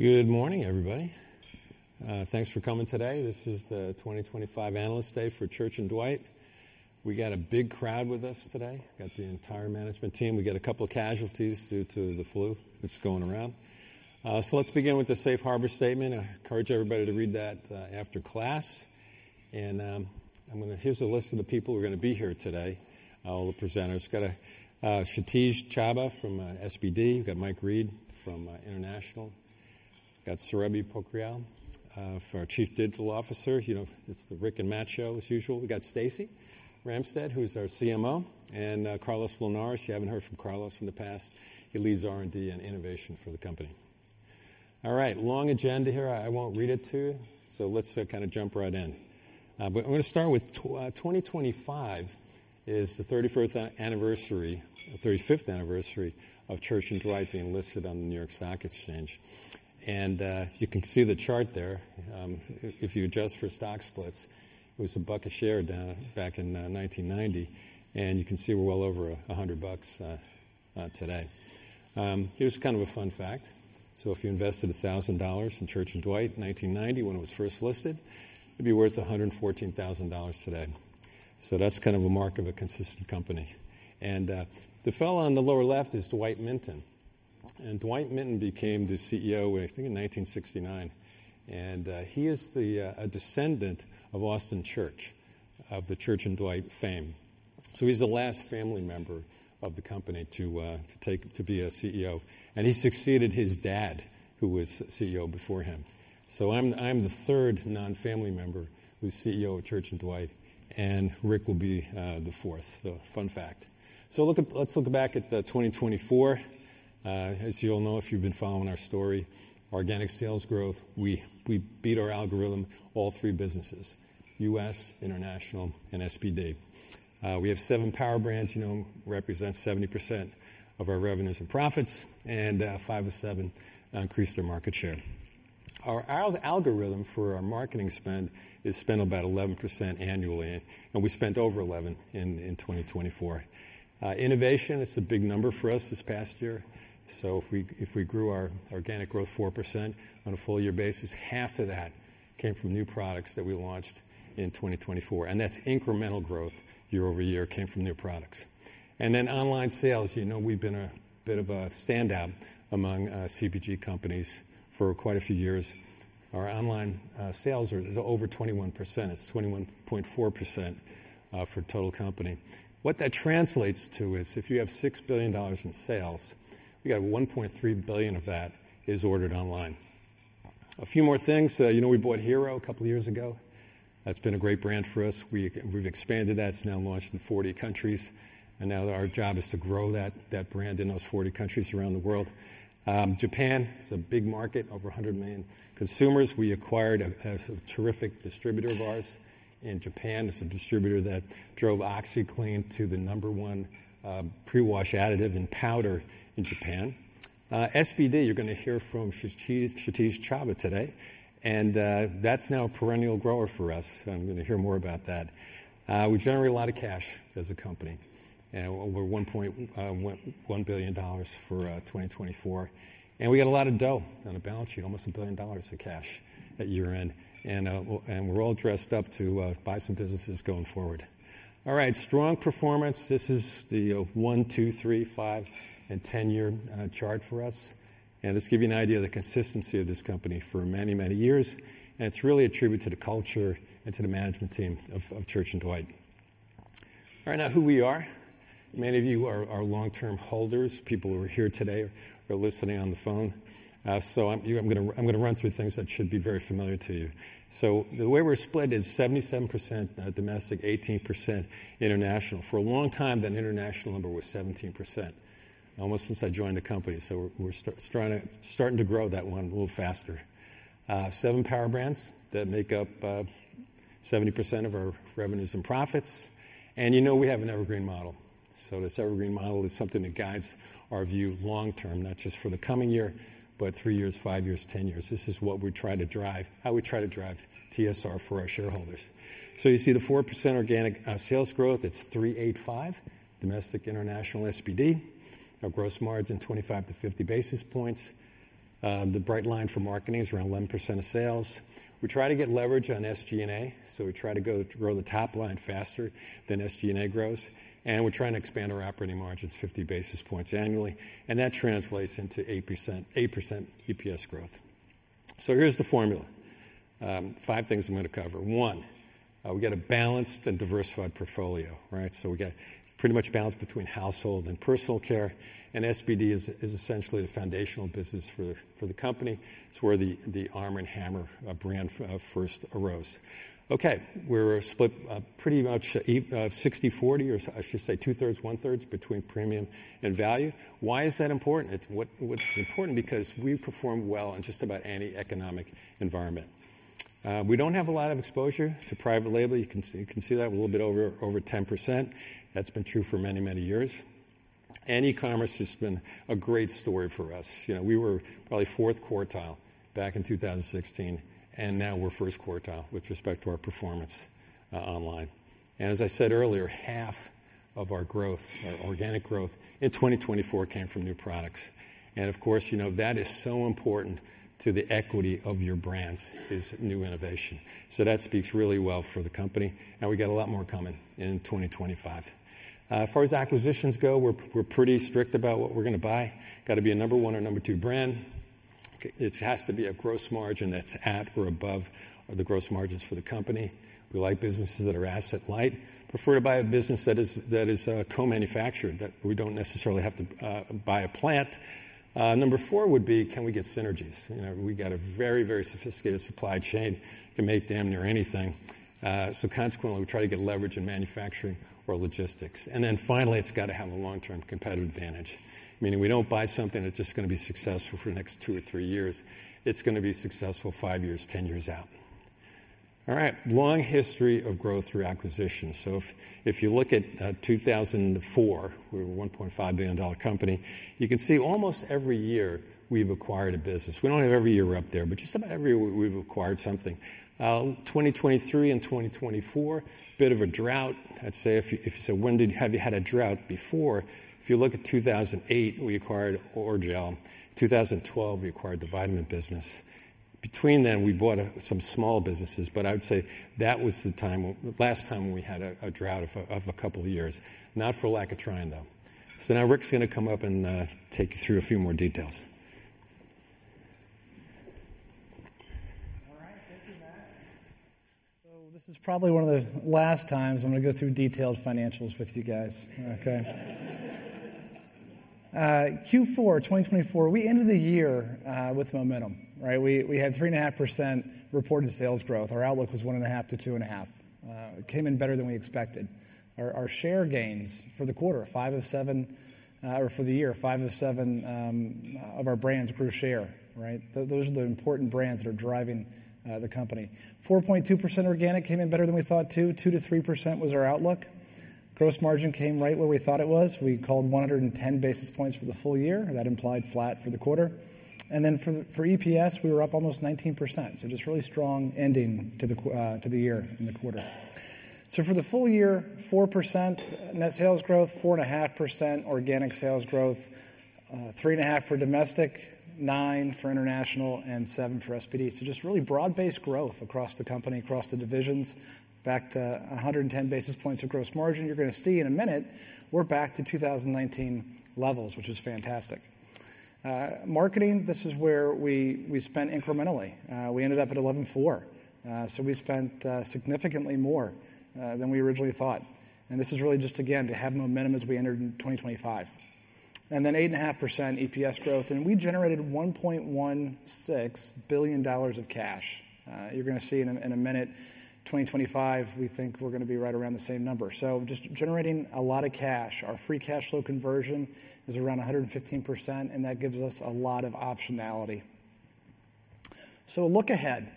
Good morning, everybody. Thanks for coming today. This is the 2025 Analyst Day for Church & Dwight. We got a big crowd with us today. We got the entire management team. We got a couple of casualties due to the flu that's going around. So let's begin with the Safe Harbor Statement. I encourage everybody to read that after class. And I'm going to. Here's a list of the people who are going to be here today, all the presenters. We've got Kshitij Chhabra from SBD. We've got Mike Read from International. We've got Surabhi Pokhriyal, our Chief Digital Officer. You know, it's the Rick and Matt show, as usual. We've got Stacey Ramstedt, who is our CMO, and Carlos Linares. You haven't heard from Carlos in the past. He leads R&D and innovation for the company. All right, long agenda here. I won't read it to you. So let's kind of jump right in. But I'm going to start with 2025 is the 35th anniversary of Church & Dwight being listed on the New York Stock Exchange. And you can see the chart there. If you adjust for stock splits, it was a buck a share back in 1990. And you can see we're well over 100 bucks today. Here's kind of a fun fact. So if you invested $1,000 in Church & Dwight in 1990, when it was first listed, it'd be worth $114,000 today. So that's kind of a mark of a consistent company. And the fellow on the lower left is Dwight Minton. And Dwight Minton became the CEO, I think, in 1969. And he is a descendant of Austin Church, of the Church & Dwight fame. So he's the last family member of the company to be a CEO. He succeeded his dad, who was CEO before him. I'm the third non-family member who's CEO of Church & Dwight. Rick will be the fourth, so fun fact. Let's look back at 2024. As you all know, if you've been following our story, organic sales growth, we beat our algorithm all three businesses: U.S., international, and SBD. We have seven power brands, you know, represent 70% of our revenues and profits, and five of seven increased their market share. Our algorithm for our marketing spend is spent about 11% annually, and we spent over 11% in 2024. Innovation, it's a big number for us this past year. If we grew our organic growth 4% on a full-year basis, half of that came from new products that we launched in 2024. That's incremental growth year over year, came from new products. And then online sales, you know, we've been a bit of a standout among CPG companies for quite a few years. Our online sales are over 21%. It's 21.4% for total company. What that translates to is if you have $6 billion in sales, we got $1.3 billion of that is ordered online. A few more things. You know, we bought Hero a couple of years ago. That's been a great brand for us. We've expanded that. It's now launched in 40 countries. And now our job is to grow that brand in those 40 countries around the world. Japan is a big market, over 100 million consumers. We acquired a terrific distributor of ours in Japan. It's a distributor that drove OxiClean to the number one pre-wash additive and powder in Japan. SBD, you're going to hear from Kshitij Chhabra today. And that's now a perennial grower for us. I'm going to hear more about that. We generate a lot of cash as a company. We're $1 billion for 2024. And we got a lot of dough on a balance sheet, almost $1 billion of cash at year-end. And we're all dressed up to buy some businesses going forward. All right, strong performance. This is the one, two, three, five, and ten-year chart for us. And this gives you an idea of the consistency of this company for many, many years. And it's really a tribute to the culture and to the management team of Church & Dwight. All right, now who we are. Many of you are long-term holders, people who are here today or listening on the phone. So I'm going to run through things that should be very familiar to you. So the way we're split is 77% domestic, 18% international. For a long time, that international number was 17%, almost since I joined the company. So we're starting to grow that one a little faster. Seven power brands that make up 70% of our revenues and profits. And you know we have an Evergreen Model. So this Evergreen Model is something that guides our view long-term, not just for the coming year, but three years, five years, ten years. This is what we try to drive, how we try to drive TSR for our shareholders. So you see the 4% organic sales growth, it's 3-8-5, domestic, international, SBD. Our gross margin is 25-50 basis points. The bright line for marketing is around 11% of sales. We try to get leverage on SG&A. So we try to grow the top line faster than SG&A grows. And we're trying to expand our operating margins 50 basis points annually. That translates into 8% EPS growth. So here's the formula. Five things I'm going to cover. One, we got a balanced and diversified portfolio, right? So we got pretty much balanced between household and personal care. And SBD is essentially the foundational business for the company. It's where the Arm & Hammer brand first arose. Okay, we're split pretty much 60-40, or I should say two-thirds, one-thirds between premium and value. Why is that important? It's important because we perform well in just about any economic environment. We don't have a lot of exposure to private label. You can see that we're a little bit over 10%. That's been true for many, many years. And e-commerce has been a great story for us. You know, we were probably fourth quartile back in 2016. And now we're first quartile with respect to our performance online. As I said earlier, half of our growth, our organic growth in 2024, came from new products. Of course, you know, that is so important to the equity of your brands is new innovation. That speaks really well for the company. We got a lot more coming in 2025. As far as acquisitions go, we're pretty strict about what we're going to buy. Got to be a number one or number two brand. It has to be a gross margin that's at or above the gross margins for the company. We like businesses that are asset-light. Prefer to buy a business that is co-manufactured, that we don't necessarily have to buy a plant. Number four would be, can we get synergies? You know, we got a very, very sophisticated supply chain. You can make damn near anything. So consequently, we try to get leverage in manufacturing or logistics. And then finally, it's got to have a long-term competitive advantage, meaning we don't buy something that's just going to be successful for the next two or three years. It's going to be successful five years, ten years out. All right, long history of growth through acquisitions. So if you look at 2004, we were a $1.5 billion company. You can see almost every year we've acquired a business. We don't have every year up there, but just about every year we've acquired something. 2023 and 2024, a bit of a drought. I'd say if you say, when have you had a drought before, if you look at 2008, we acquired Orajel. 2012, we acquired the vitamin business. Between then, we bought some small businesses. But I would say that was the time, last time we had a drought of a couple of years, not for lack of trying, though. So now Rick's going to come up and take you through a few more details. All right, thank you, Matt. So this is probably one of the last times I'm going to go through detailed financials with you guys. Okay. Q4, 2024, we ended the year with momentum, right? We had 3.5% reported sales growth. Our outlook was 1.5%-2.5%. It came in better than we expected. Our share gains for the quarter, five of seven, or for the year, five of seven of our brands grew share, right? Those are the important brands that are driving the company. 4.2% organic came in better than we thought, too. 2%-3% was our outlook. Gross margin came right where we thought it was. We called 110 basis points for the full year. That implied flat for the quarter. And then for EPS, we were up almost 19%. So just really strong ending to the year in the quarter. So for the full year, 4% net sales growth, 4.5% organic sales growth, 3.5% for domestic, 9% for international, and 7% for SBD. So just really broad-based growth across the company, across the divisions. Back to 110 basis points of gross margin. You're going to see in a minute, we're back to 2019 levels, which is fantastic. Marketing, this is where we spent incrementally. We ended up at 11.4%. So we spent significantly more than we originally thought. And this is really just, again, to have momentum as we entered 2025. And then 8.5% EPS growth. And we generated $1.16 billion of cash. You're going to see in a minute, 2025, we think we're going to be right around the same number. So just generating a lot of cash. Our free cash flow conversion is around 115%. And that gives us a lot of optionality. So a look ahead.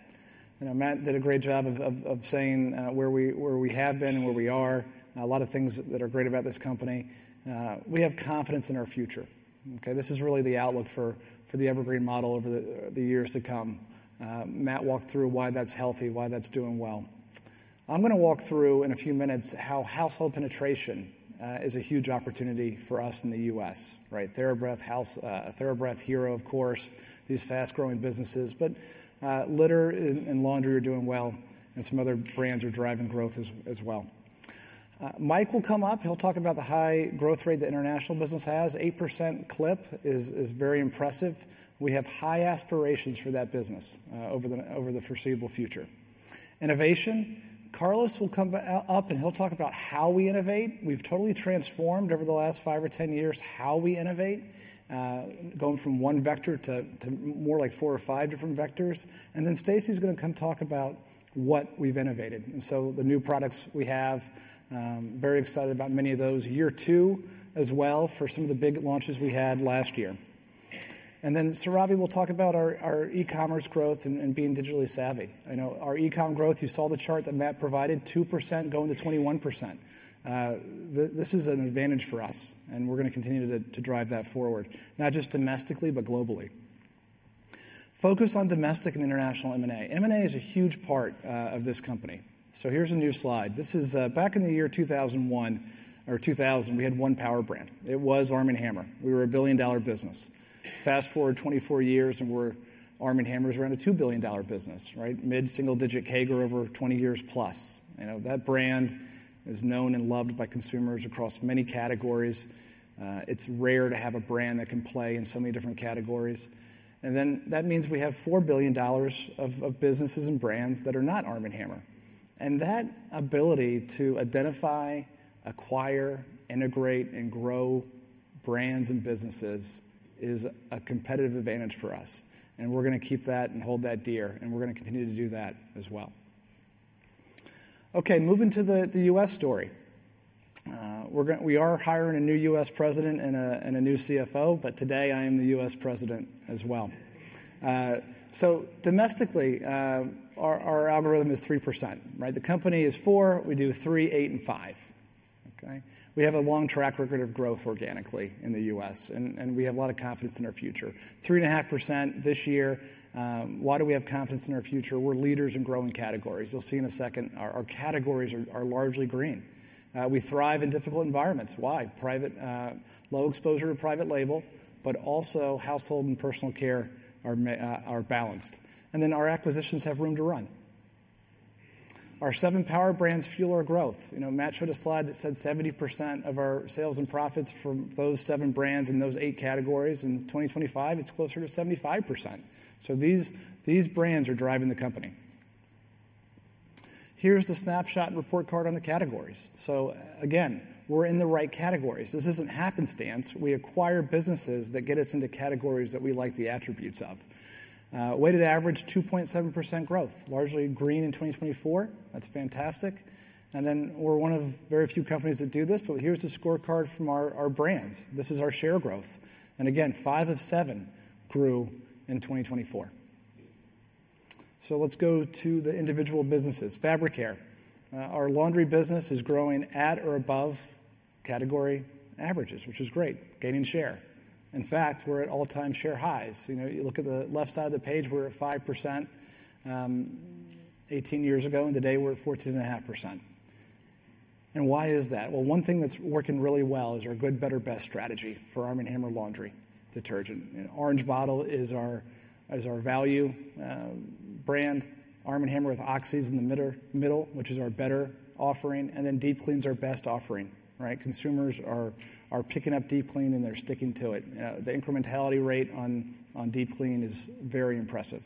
You know, Matt did a great job of saying where we have been and where we are. A lot of things that are great about this company. We have confidence in our future. Okay, this is really the outlook for the Evergreen Model over the years to come. Matt walked through why that's healthy, why that's doing well. I'm going to walk through in a few minutes how household penetration is a huge opportunity for us in the U.S., right? TheraBreath, Hero, of course, these fast-growing businesses. But litter and laundry are doing well. And some other brands are driving growth as well. Mike will come up. He'll talk about the high growth rate the international business has. 8% clip is very impressive. We have high aspirations for that business over the foreseeable future. Innovation, Carlos will come up and he'll talk about how we innovate. We've totally transformed over the last five or ten years how we innovate, going from one vector to more like four or five different vectors, and then Stacey's going to come talk about what we've innovated, and so the new products we have. Very excited about many of those. Year two as well for some of the big launches we had last year, and then Surabhi will talk about our e-commerce growth and being digitally savvy. I know our e-com growth. You saw the chart that Matt provided, 2% going to 21%. This is an advantage for us, and we're going to continue to drive that forward, not just domestically, but globally. Focus on domestic and international M&A. M&A is a huge part of this company, so here's a new slide. This is back in the year 2001 or 2000; we had one power brand. It was Arm & Hammer. We were a billion-dollar business. Fast forward 24 years and we're Arm & Hammer's around a $2 billion business, right? Mid-single-digit CAGR over 20 years plus. You know, that brand is known and loved by consumers across many categories. It's rare to have a brand that can play in so many different categories. And then that means we have $4 billion of businesses and brands that are not Arm & Hammer. And that ability to identify, acquire, integrate, and grow brands and businesses is a competitive advantage for us. And we're going to keep that and hold that dear. And we're going to continue to do that as well. Okay, moving to the US story. We are hiring a new U.S. president and a new CFO. But today I am the US president as well. So domestically, our algorithm is 3%, right? The company is 4%. We do 3, 8, and 5. Okay, we have a long track record of growth organically in the U.S. And we have a lot of confidence in our future. 3.5% this year. Why do we have confidence in our future? We're leaders in growing categories. You'll see in a second, our categories are largely green. We thrive in difficult environments. Why? Private, low exposure to private label, but also household and personal care are balanced. And then our acquisitions have room to run. Our seven power brands fuel our growth. You know, Matt showed a slide that said 70% of our sales and profits from those seven brands in those eight categories. In 2025, it's closer to 75%. So these brands are driving the company. Here's the snapshot and report card on the categories. So again, we're in the right categories. This isn't happenstance. We acquire businesses that get us into categories that we like the attributes of. Weighted average 2.7% growth, largely green in 2024. That's fantastic, and then we're one of very few companies that do this, but here's the scorecard from our brands. This is our share growth, and again, five of seven grew in 2024, so let's go to the individual businesses. Fabricare, our laundry business, is growing at or above category averages, which is great, gaining share. In fact, we're at all-time share highs. You know, you look at the left side of the page, we're at 5%. 18 years ago and today we're at 14.5%. And why is that? Well, one thing that's working really well is our good, better, best strategy for Arm & Hammer laundry detergent. Orange Bottle is our value brand. Arm & Hammer with Oxi's in the middle, which is our better offering. And then Deep Clean's our best offering, right? Consumers are picking up Deep Clean and they're sticking to it. The incrementality rate on Deep Clean is very impressive.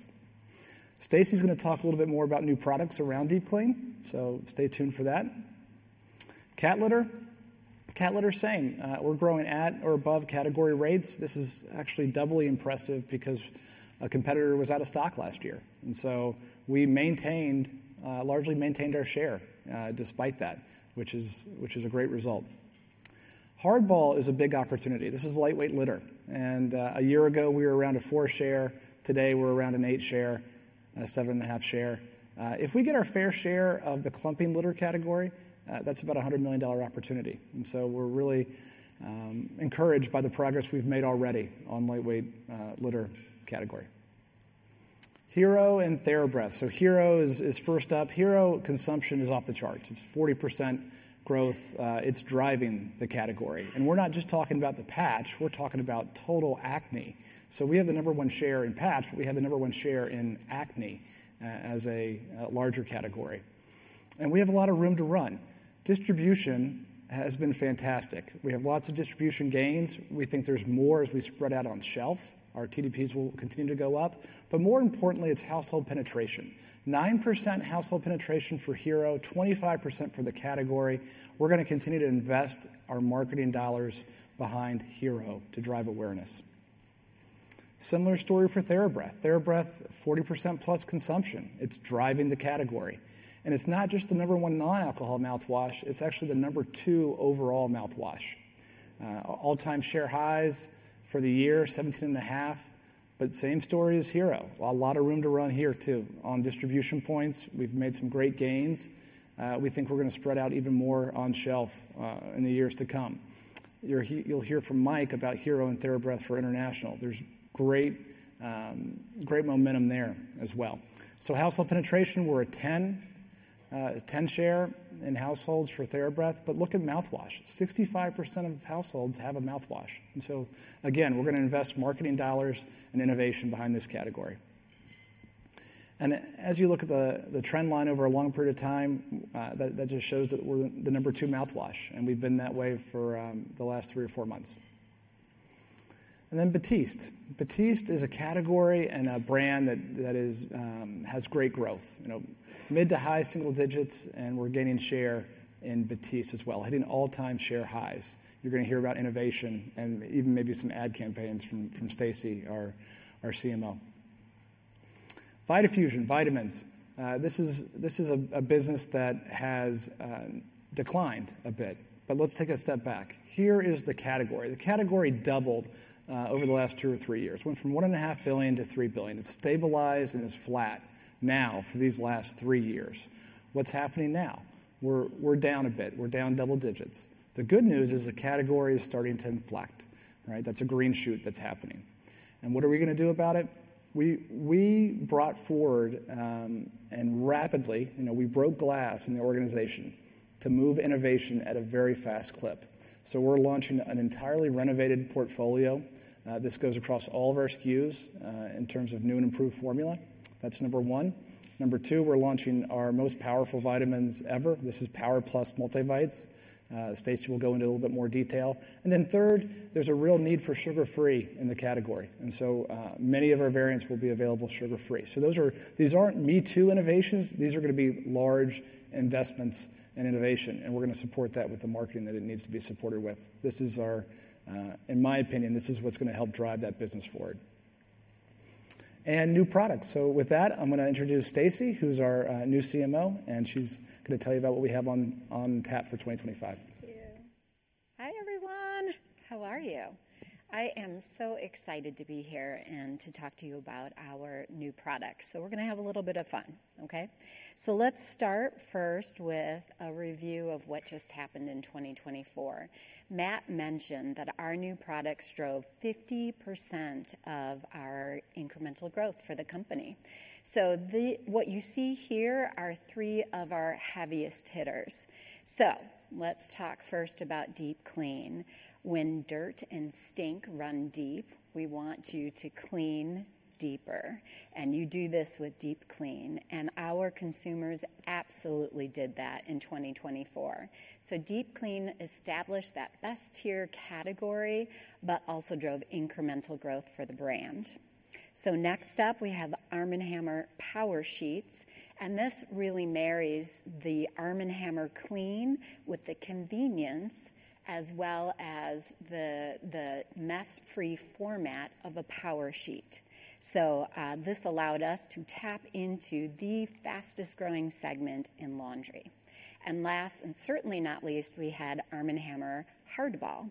Stacey's going to talk a little bit more about new products around Deep Clean. So stay tuned for that. Cat litter, cat litter same. We're growing at or above category rates. This is actually doubly impressive because a competitor was out of stock last year. And so we maintained, largely maintained our share despite that, which is a great result. Hardball is a big opportunity. This is lightweight litter. And a year ago we were around a four share. Today we're around an eight share, seven and a half share. If we get our fair share of the clumping litter category, that's about a $100 million opportunity. And so we're really encouraged by the progress we've made already on lightweight litter category. Hero and TheraBreath. So Hero is first up. Hero consumption is off the charts. It's 40% growth. It's driving the category. And we're not just talking about the patch. We're talking about total acne. So we have the number one share in patch, but we have the number one share in acne as a larger category. And we have a lot of room to run. Distribution has been fantastic. We have lots of distribution gains. We think there's more as we spread out on shelf. Our TDPs will continue to go up. But more importantly, it's household penetration. 9% household penetration for Hero, 25% for the category. We're going to continue to invest our marketing dollars behind Hero to drive awareness. Similar story for TheraBreath. TheraBreath, 40%+ consumption. It's driving the category. And it's not just the number one non-alcohol mouthwash. It's actually the number two overall mouthwash. All-time share highs for the year, 17.5%. But same story as Hero. A lot of room to run here, too, on distribution points. We've made some great gains. We think we're going to spread out even more on shelf in the years to come. You'll hear from Mike about Hero and TheraBreath for international. There's great momentum there as well. So household penetration, we're a 10% share in households for TheraBreath. But look at mouthwash. 65% of households have a mouthwash. And so again, we're going to invest marketing dollars and innovation behind this category. And as you look at the trend line over a long period of time, that just shows that we're the number two mouthwash. And we've been that way for the last three or four months. And then Batiste. Batiste is a category and a brand that has great growth. You know, mid to high single digits, and we're gaining share in Batiste as well, hitting all-time share highs. You're going to hear about innovation and even maybe some ad campaigns from Stacey, our CMO. Vitafusion, vitamins. This is a business that has declined a bit, but let's take a step back. Here is the category. The category doubled over the last two or three years. Went from $1.5 billion-$3 billion. It's stabilized and is flat now for these last three years. What's happening now? We're down a bit. We're down double digits. The good news is the category is starting to inflect, right? That's a green shoot that's happening, and what are we going to do about it? We brought forward and rapidly, you know, we broke glass in the organization to move innovation at a very fast clip, so we're launching an entirely renovated portfolio. This goes across all of our SKUs in terms of new and improved formula. That's number one. Number two, we're launching our most powerful vitamins ever. This is Power Plus Multivites. Stacey will go into a little bit more detail. Then third, there's a real need for sugar-free in the category. And so many of our variants will be available sugar-free. So these aren't me too innovations. These are going to be large investments in innovation. And we're going to support that with the marketing that it needs to be supported with. This is our, in my opinion, this is what's going to help drive that business forward. And new products. So with that, I'm going to introduce Stacey, who's our new CMO. And she's going to tell you about what we have on tap for 2025. Thank you. Hi everyone. How are you? I am so excited to be here and to talk to you about our new products. So we're going to have a little bit of fun, okay? So let's start first with a review of what just happened in 2024. Matt mentioned that our new products drove 50% of our incremental growth for the company. So what you see here are three of our heaviest hitters. So let's talk first about Deep Clean. When dirt and stink run deep, we want you to clean deeper. And you do this with Deep Clean. And our consumers absolutely did that in 2024. So Deep Clean established that best tier category, but also drove incremental growth for the brand. So next up, we have Arm & Hammer Power Sheets. And this really marries the Arm & Hammer Clean with the convenience as well as the mess-free format of a Power Sheet. This allowed us to tap into the fastest growing segment in laundry. And last, and certainly not least, we had Arm & Hammer Hardball.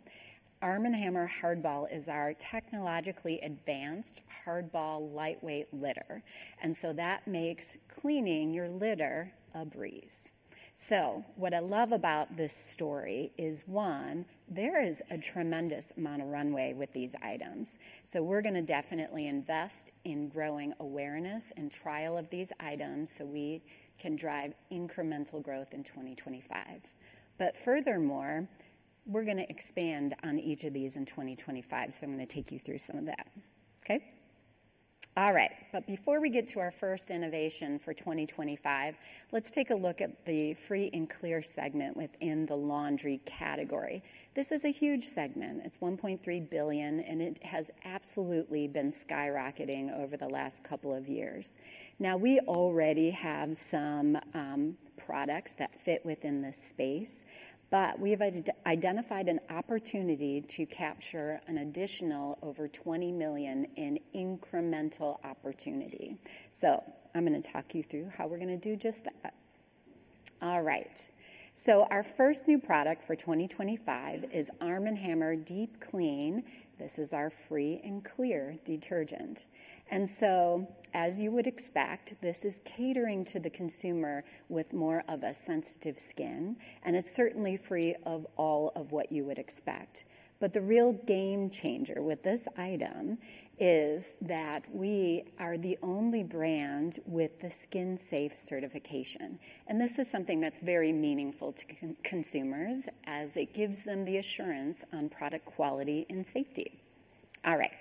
Arm & Hammer Hardball is our technologically advanced hardball lightweight litter. And so that makes cleaning your litter a breeze. What I love about this story is, one, there is a tremendous amount of runway with these items. We're going to definitely invest in growing awareness and trial of these items so we can drive incremental growth in 2025. But furthermore, we're going to expand on each of these in 2025. I'm going to take you through some of that, okay? All right. But before we get to our first innovation for 2025, let's take a look at the free and clear segment within the laundry category. This is a huge segment. It's $1.3 billion. It has absolutely been skyrocketing over the last couple of years. Now, we already have some products that fit within this space. We have identified an opportunity to capture an additional over $20 million in incremental opportunity. I'm going to talk you through how we're going to do just that. All right. Our first new product for 2025 is Arm & Hammer Deep Clean. This is our free and clear detergent. So, as you would expect, this is catering to the consumer with more of a sensitive skin. It's certainly free of all of what you would expect. The real game changer with this item is that we are the only brand with the SkinSafe certification. This is something that's very meaningful to consumers as it gives them the assurance on product quality and safety. All right.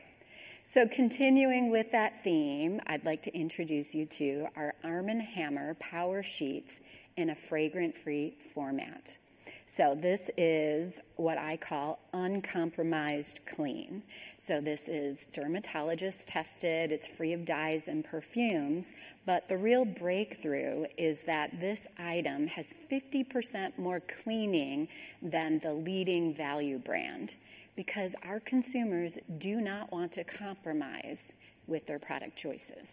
Continuing with that theme, I'd like to introduce you to our Arm & Hammer Power Sheets in a fragrance-free format. This is what I call uncompromised clean. This is dermatologist tested. It's free of dyes and perfumes. But the real breakthrough is that this item has 50% more cleaning than the leading value brand because our consumers do not want to compromise with their product choices.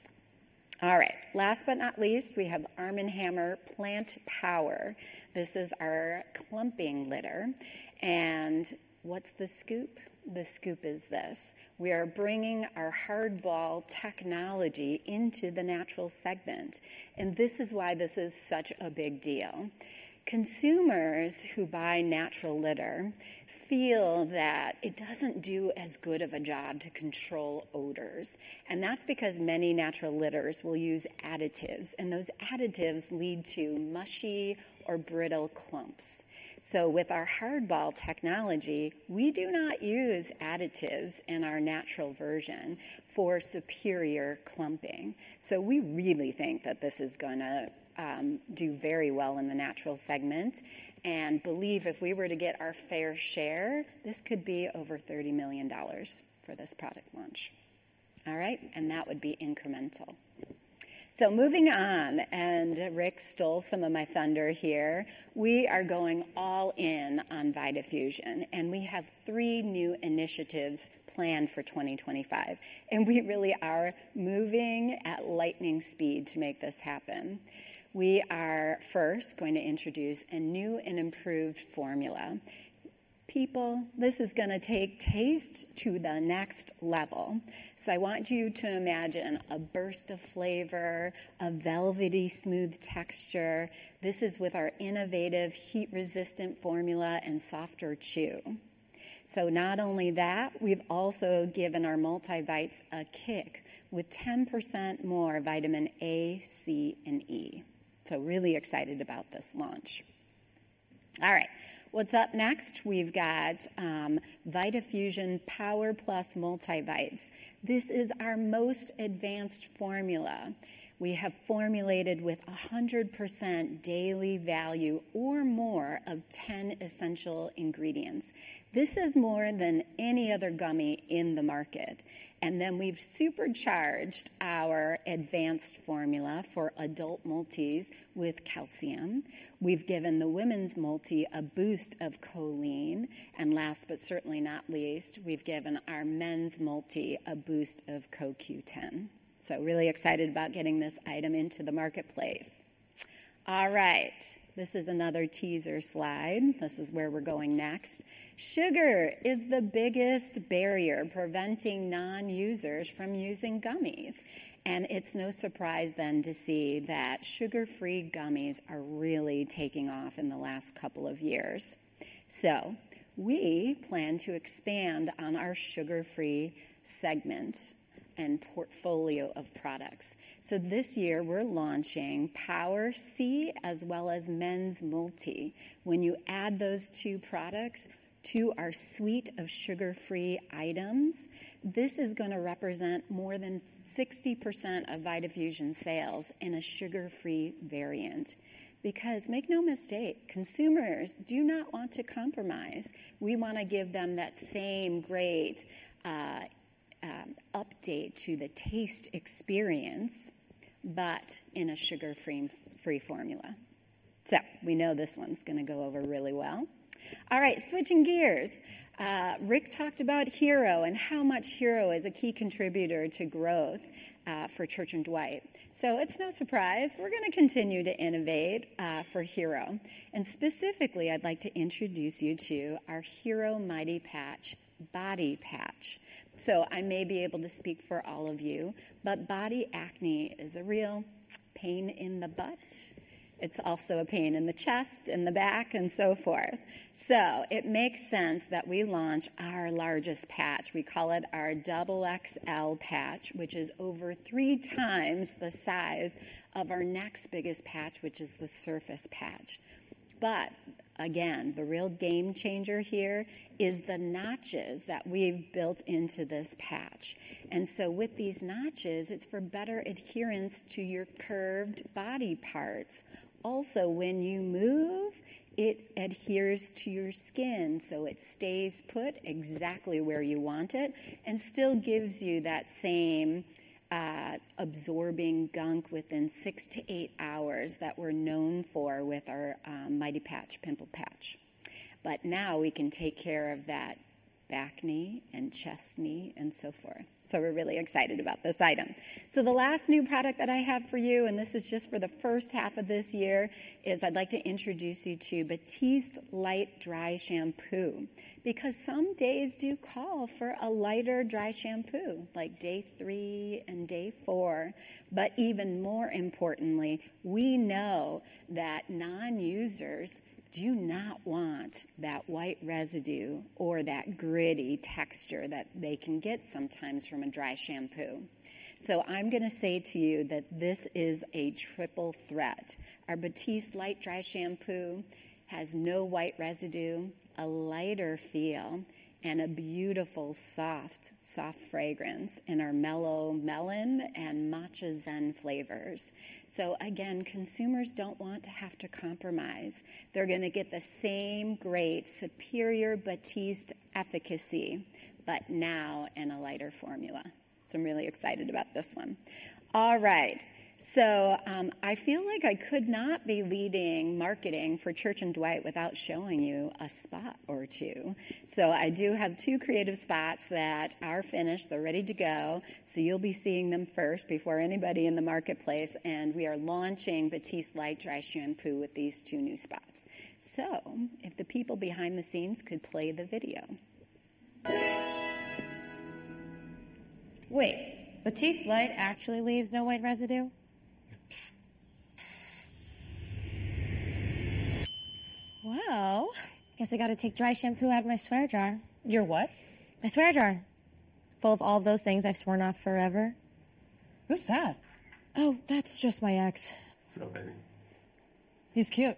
All right. Last but not least, we have Arm & Hammer Plant Power. This is our clumping litter. And what's the scoop? The scoop is this. We are bringing our Hardball technology into the natural segment. And this is why this is such a big deal. Consumers who buy natural litter feel that it doesn't do as good of a job to control odors. And that's because many natural litters will use additives. Those additives lead to mushy or brittle clumps. So with our Hardball technology, we do not use additives in our natural version for superior clumping. So we really think that this is going to do very well in the natural segment and believe if we were to get our fair share, this could be over $30 million for this product launch. All right. And that would be incremental. So moving on, and Rick stole some of my thunder here, we are going all in on Vitafusion. And we have three new initiatives planned for 2025. And we really are moving at lightning speed to make this happen. We are first going to introduce a new and improved formula. People, this is going to take taste to the next level. So I want you to imagine a burst of flavor, a velvety smooth texture. This is with our innovative heat-resistant formula and softer chew. So not only that, we've also given our Multivites a kick with 10% more vitamin A, C, and E. So really excited about this launch. All right. What's up next? We've got Vitafusion Power Plus Multivites. This is our most advanced formula. We have formulated with 100% daily value or more of 10 essential ingredients. This is more than any other gummy in the market. And then we've supercharged our advanced formula for adult multies with calcium. We've given the Women's Multi a boost of choline. And last but certainly not least, we've given our Men's Multi a boost of CoQ10. So really excited about getting this item into the marketplace. All right. This is another teaser slide. This is where we're going next. Sugar is the biggest barrier preventing non-users from using gummies. It's no surprise then to see that sugar-free gummies are really taking off in the last couple of years. We plan to expand on our sugar-free segment and portfolio of products. This year we're launching Power C as well as Men's Multi. When you add those two products to our suite of sugar-free items, this is going to represent more than 60% of Vitafusion sales in a sugar-free variant. Because make no mistake, consumers do not want to compromise. We want to give them that same great update to the taste experience, but in a sugar-free formula. We know this one's going to go over really well. All right, switching gears. Rick talked about Hero and how much Hero is a key contributor to growth for Church & Dwight. It's no surprise. We're going to continue to innovate for Hero. And specifically, I'd like to introduce you to our Hero Mighty Patch Body Patch. So I may be able to speak for all of you, but body acne is a real pain in the butt. It's also a pain in the chest and the back and so forth. So it makes sense that we launch our largest patch. We call it our XXL patch, which is over three times the size of our next biggest patch, which is the Surface Patch. But again, the real game changer here is the notches that we've built into this patch. And so with these notches, it's for better adherence to your curved body parts. Also, when you move, it adheres to your skin. So it stays put exactly where you want it and still gives you that same absorbing gunk within six to eight hours that we're known for with our Mighty Patch Pimple Patch. But now we can take care of that backne and chestne and so forth. So we're really excited about this item. So the last new product that I have for you, and this is just for the first half of this year, is. I'd like to introduce you to Batiste Light Dry Shampoo. Because some days do call for a lighter dry shampoo, like day three and day four. But even more importantly, we know that non-users do not want that white residue or that gritty texture that they can get sometimes from a dry shampoo. So I'm going to say to you that this is a triple threat. Our Batiste Light Dry Shampoo has no white residue, a lighter feel, and a beautiful soft, soft fragrance in our Mellow Melon and Matcha Zen flavors. So again, consumers don't want to have to compromise. They're going to get the same great superior Batiste efficacy, but now in a lighter formula. So I'm really excited about this one. All right. So I feel like I could not be leading marketing for Church & Dwight without showing you a spot or two. So I do have two creative spots that are finished. They're ready to go. So you'll be seeing them first before anybody in the marketplace. And we are launching Batiste Light Dry Shampoo with these two new spots. So if the people behind the scenes could play the video. Wait, Batiste Light actually leaves no white residue? Whoa. I guess I got to take dry shampoo out of my swear jar. Your what? My swear jar. Full of all of those things I've sworn off forever. Who's that? Oh, that's just my ex. So baby. He's cute.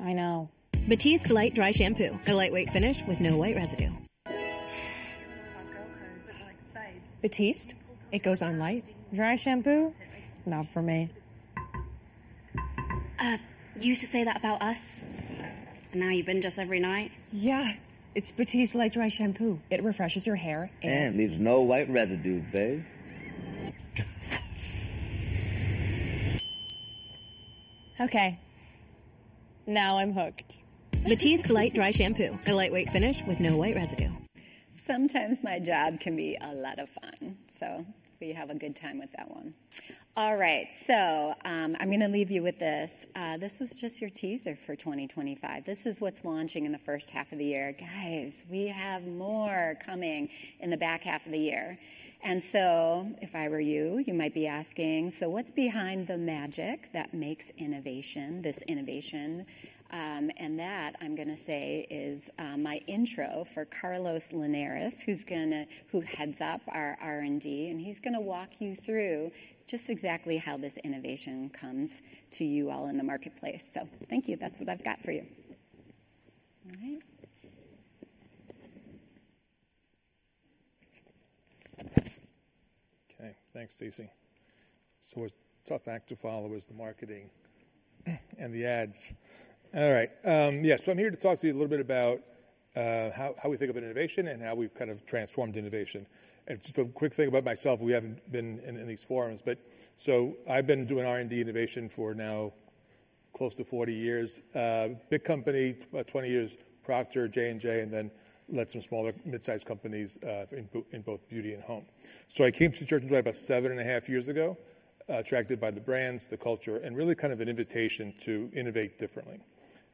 I know. Batiste Light Dry Shampoo. A lightweight finish with no white residue. Batiste, it goes on light. Dry shampoo, not for me. You used to say that about us. Now you've been just every night. Yeah, it's Batiste Light Dry Shampoo. It refreshes your hair and leaves no white residue, babe. Okay. Now I'm hooked. Batiste Light Dry Shampoo. A lightweight finish with no white residue. Sometimes my job can be a lot of fun. So we have a good time with that one. All right. So I'm going to leave you with this. This was just your teaser for 2025. This is what's launching in the first half of the year. Guys, we have more coming in the back half of the year. And so if I were you, you might be asking, so what's behind the magic that makes innovation, this innovation? And that I'm going to say is my intro for Carlos Linares, who's going to head up our R&D. And he's going to walk you through just exactly how this innovation comes to you all in the marketplace. So thank you. That's what I've got for you. All right. Okay. Thanks, Stacey. So a tough act to follow is the marketing and the ads. All right. Yeah. So I'm here to talk to you a little bit about how we think about innovation and how we've kind of transformed innovation. And just a quick thing about myself, we haven't been in these forums. I've been doing R&D innovation for now close to 40 years. Big company, 20 years, Procter, J&J, and then led some smaller midsize companies in both beauty and home. I came to Church & Dwight about seven and a half years ago, attracted by the brands, the culture, and really kind of an invitation to innovate differently.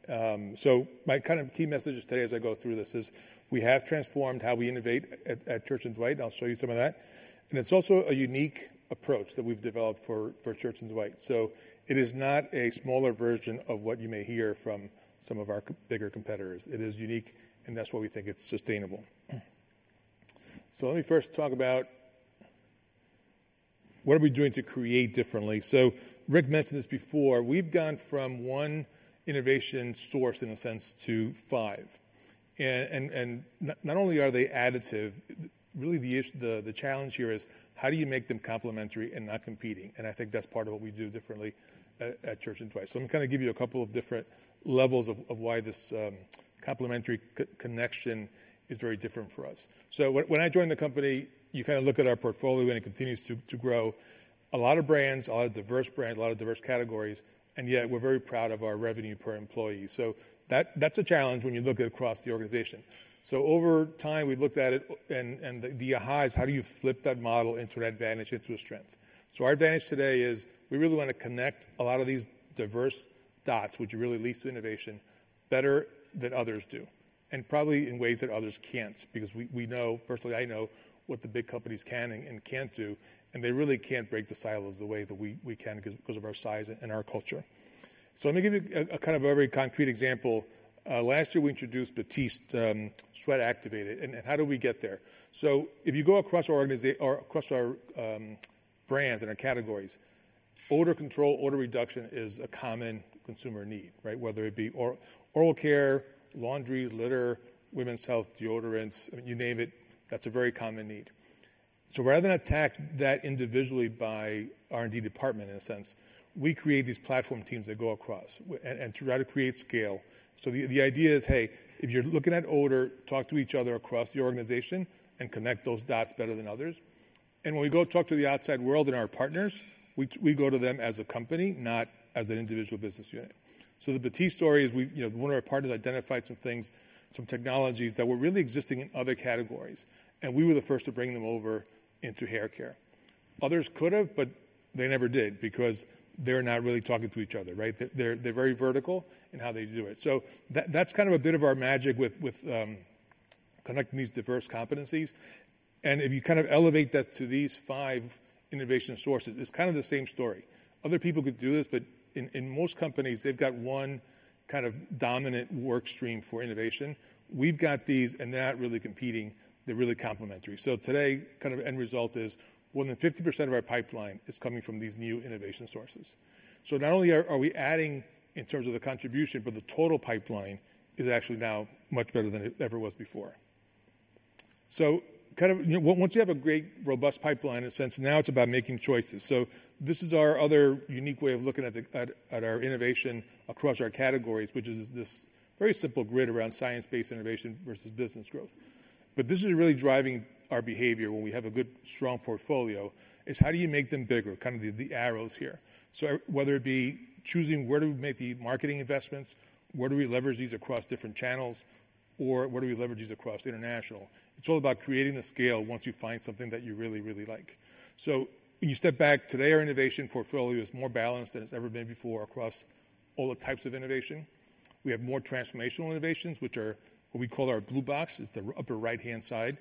My kind of key message today as I go through this is we have transformed how we innovate at Church & Dwight. I'll show you some of that. It's also a unique approach that we've developed for Church & Dwight. It is not a smaller version of what you may hear from some of our bigger competitors. It is unique. That's why we think it's sustainable. Let me first talk about what we are doing to create differently. Rick mentioned this before. We've gone from one innovation source in a sense to five. And not only are they additive, really the challenge here is how do you make them complementary and not competing? And I think that's part of what we do differently at Church & Dwight. So I'm going to kind of give you a couple of different levels of why this complementary connection is very different for us. So when I joined the company, you kind of look at our portfolio and it continues to grow. A lot of brands, a lot of diverse brands, a lot of diverse categories. And yet we're very proud of our revenue per employee. So that's a challenge when you look across the organization. So over time, we've looked at it and the ahas, how do you flip that model into an advantage into a strength? Our advantage today is we really want to connect a lot of these diverse dots, which really leads to innovation better than others do. And probably in ways that others can't. Because we know, personally, I know what the big companies can and can't do. And they really can't break the silos the way that we can because of our size and our culture. So let me give you a kind of very concrete example. Last year, we introduced Batiste Sweat Activated. And how did we get there? So if you go across our brands and our categories, odor control, odor reduction is a common consumer need, right? Whether it be oral care, laundry, litter, women's health, deodorants, you name it, that's a very common need. So rather than attack that individually by R&D department in a sense, we create these platform teams that go across and try to create scale. So the idea is, hey, if you're looking at odor, talk to each other across the organization and connect those dots better than others. And when we go talk to the outside world and our partners, we go to them as a company, not as an individual business unit. So the Batiste story is one of our partners identified some things, some technologies that were really existing in other categories. And we were the first to bring them over into hair care. Others could have, but they never did because they're not really talking to each other, right? They're very vertical in how they do it. So that's kind of a bit of our magic with connecting these diverse competencies. If you kind of elevate that to these five innovation sources, it's kind of the same story. Other people could do this, but in most companies, they've got one kind of dominant workstream for innovation. We've got these and they're not really competing. They're really complementary. Today, kind of end result is more than 50% of our pipeline is coming from these new innovation sources. Not only are we adding in terms of the contribution, but the total pipeline is actually now much better than it ever was before. Kind of once you have a great robust pipeline in a sense, now it's about making choices. This is our other unique way of looking at our innovation across our categories, which is this very simple grid around science-based innovation versus business growth. But this is really driving our behavior when we have a good strong portfolio: how do you make them bigger, kind of the arrows here. So whether it be choosing where do we make the marketing investments, where do we leverage these across different channels, or where do we leverage these across international. It's all about creating the scale once you find something that you really, really like. So when you step back today, our innovation portfolio is more balanced than it's ever been before across all the types of innovation. We have more transformational innovations, which are what we call our Blue Box. It's the upper right-hand side.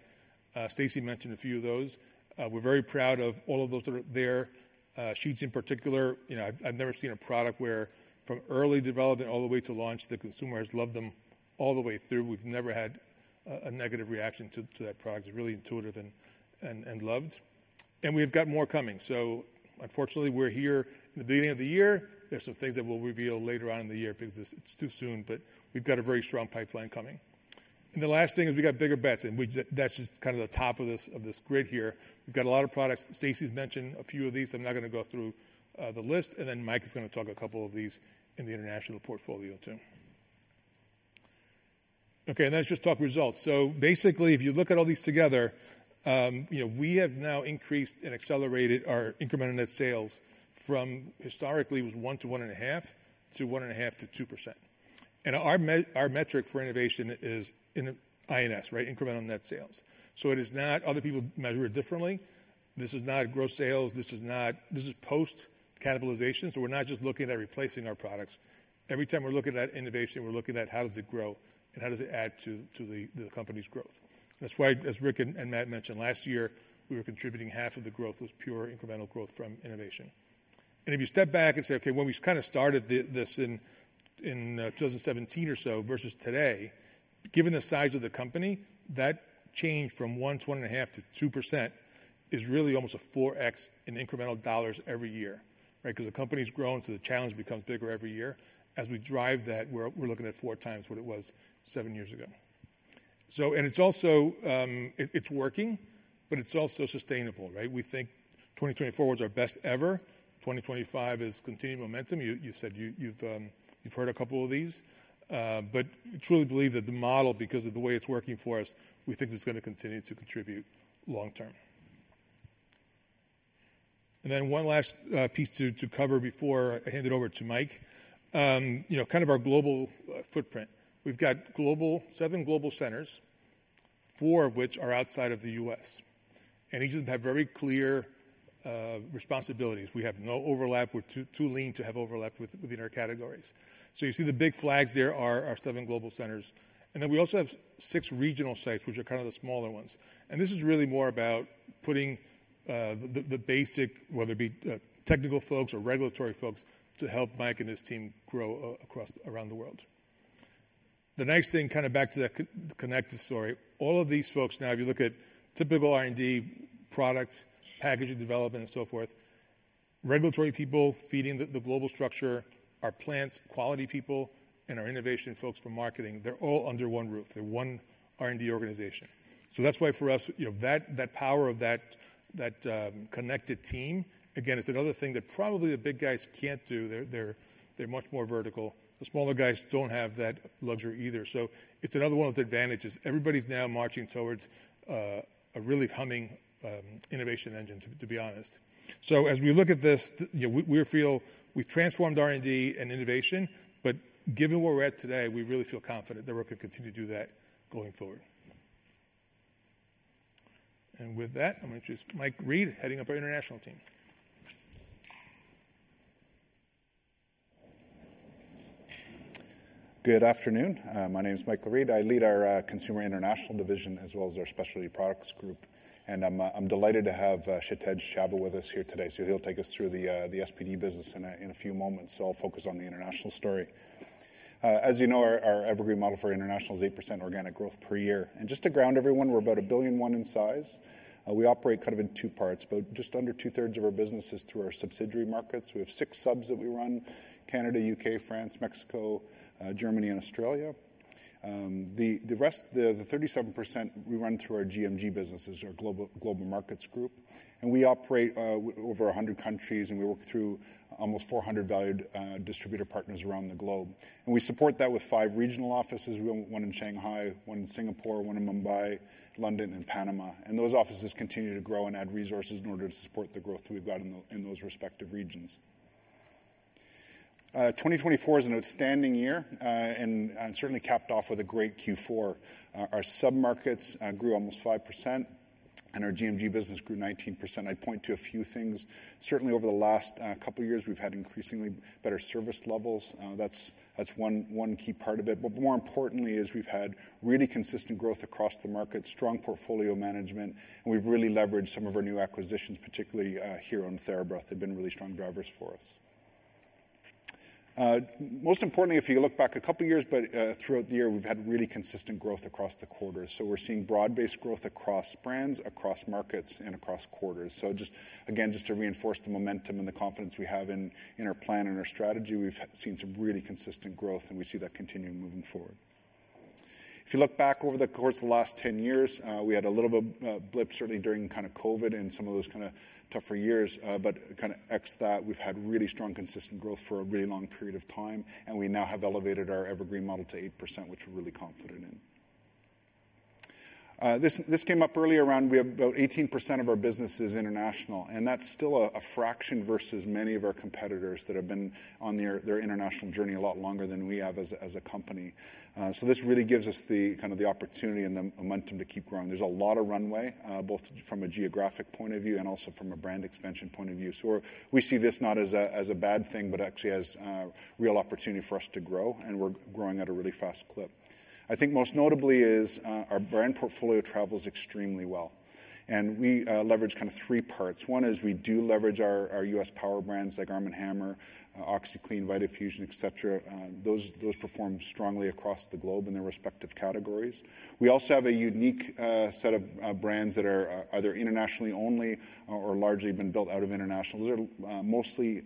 Stacey mentioned a few of those. We're very proud of all of those that are there. Sheets in particular, I've never seen a product where from early development all the way to launch, the consumer has loved them all the way through. We've never had a negative reaction to that product. It's really intuitive and loved. And we've got more coming. So unfortunately, we're here in the beginning of the year. There's some things that we'll reveal later on in the year because it's too soon, but we've got a very strong pipeline coming. And the last thing is we got bigger bets. And that's just kind of the top of this grid here. We've got a lot of products. Stacey's mentioned a few of these. I'm not going to go through the list. And then Mike is going to talk a couple of these in the international portfolio too. Okay. And let's just talk results. So basically, if you look at all these together, we have now increased and accelerated our incremental net sales from historically it was 1% to 1.5% to 1.5% to 2%. And our metric for innovation is in INS, right? Incremental net sales. So it is not other people measure it differently. This is not gross sales. This is post-cannibalization. So we're not just looking at replacing our products. Every time we're looking at innovation, we're looking at how does it grow and how does it add to the company's growth. That's why, as Rick and Matt mentioned, last year, we were contributing half of the growth was pure incremental growth from innovation. And if you step back and say, okay, when we kind of started this in 2017 or so versus today, given the size of the company, that change from one to one and a half to 2% is really almost a 4x in incremental dollars every year, right? Because the company's grown, so the challenge becomes bigger every year. As we drive that, we're looking at four times what it was seven years ago. And it's also working, but it's also sustainable, right? We think 2024 was our best ever. 2025 is continued momentum. You said you've heard a couple of these. But we truly believe that the model, because of the way it's working for us, we think it's going to continue to contribute long-term. And then one last piece to cover before I hand it over to Mike. Kind of our global footprint. We've got seven global centers, four of which are outside of the U.S., and each of them have very clear responsibilities. We have no overlap. We're too lean to have overlap within our categories, so you see the big flags there are our seven global centers, and then we also have six regional sites, which are kind of the smaller ones. And this is really more about putting the basic, whether it be technical folks or regulatory folks, to help Mike and his team grow around the world. The next thing, kind of back to the connected story. All of these folks now, if you look at typical R&D products, packaging development, and so forth, regulatory people feeding the global structure, our plants, quality people, and our innovation folks for marketing, they're all under one roof. They're one R&D organization. So that's why for us, that power of that connected team, again, it's another thing that probably the big guys can't do. They're much more vertical. The smaller guys don't have that luxury either. So it's another one of those advantages. Everybody's now marching towards a really humming innovation engine, to be honest. So as we look at this, we feel we've transformed R&D and innovation. But given where we're at today, we really feel confident that we're going to continue to do that going forward. And with that, I'm going to introduce Mike Read, heading up our international team. Good afternoon. My name is Michael Read. I lead our consumer international division as well as our specialty products group. And I'm delighted to have Kshitij Chhabra with us here today. So he'll take us through the SPD business in a few moments. So I'll focus on the international story. As you know, our evergreen model for international is 8% organic growth per year. Just to ground everyone, we're about $1 billion in size. We operate kind of in two parts, but just under two-thirds of our business is through our subsidiary markets. We have six subs that we run: Canada, U.K., France, Mexico, Germany, and Australia. The rest, the 37% we run through our GMG businesses, our global markets group. We operate over 100 countries. We work through almost 400 valued distributor partners around the globe. We support that with five regional offices: one in Shanghai, one in Singapore, one in Mumbai, London, and Panama. Those offices continue to grow and add resources in order to support the growth we've got in those respective regions. 2024 is an outstanding year and certainly capped off with a great Q4. Our sub-markets grew almost 5%, and our GMG business grew 19%. I'd point to a few things. Certainly, over the last couple of years, we've had increasingly better service levels. That's one key part of it. But more importantly, we've had really consistent growth across the market, strong portfolio management, and we've really leveraged some of our new acquisitions, particularly here on TheraBreath. They've been really strong drivers for us. Most importantly, if you look back a couple of years, but throughout the year, we've had really consistent growth across the quarters. So we're seeing broad-based growth across brands, across markets, and across quarters. So just again, just to reinforce the momentum and the confidence we have in our plan and our strategy, we've seen some really consistent growth, and we see that continuing moving forward. If you look back over the course of the last 10 years, we had a little bit of a blip, certainly during kind of COVID and some of those kind of tougher years, but kind of except that, we've had really strong, consistent growth for a really long period of time, and we now have elevated our Evergreen Model to 8%, which we're really confident in. This came up early around, we have about 18% of our business is international, and that's still a fraction versus many of our competitors that have been on their international journey a lot longer than we have as a company, so this really gives us the kind of the opportunity and the momentum to keep growing. There's a lot of runway, both from a geographic point of view and also from a brand expansion point of view. So we see this not as a bad thing, but actually as a real opportunity for us to grow. And we're growing at a really fast clip. I think most notably is our brand portfolio travels extremely well. And we leverage kind of three parts. One is we do leverage our U.S. power brands like Arm & Hammer, OxiClean, Vitafusion, etc. Those perform strongly across the globe in their respective categories. We also have a unique set of brands that are either internationally only or largely been built out of international. Those are mostly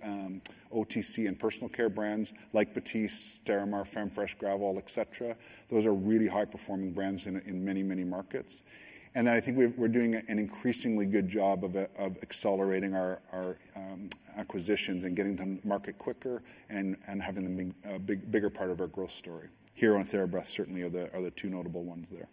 OTC and personal care brands like Batiste, TheraBreath, FemFresh, Gravol, etc. Those are really high-performing brands in many, many markets. And then I think we're doing an increasingly good job of accelerating our acquisitions and getting them to market quicker and having them be a bigger part of our growth story. Hero and TheraBreath certainly are the two notable ones there.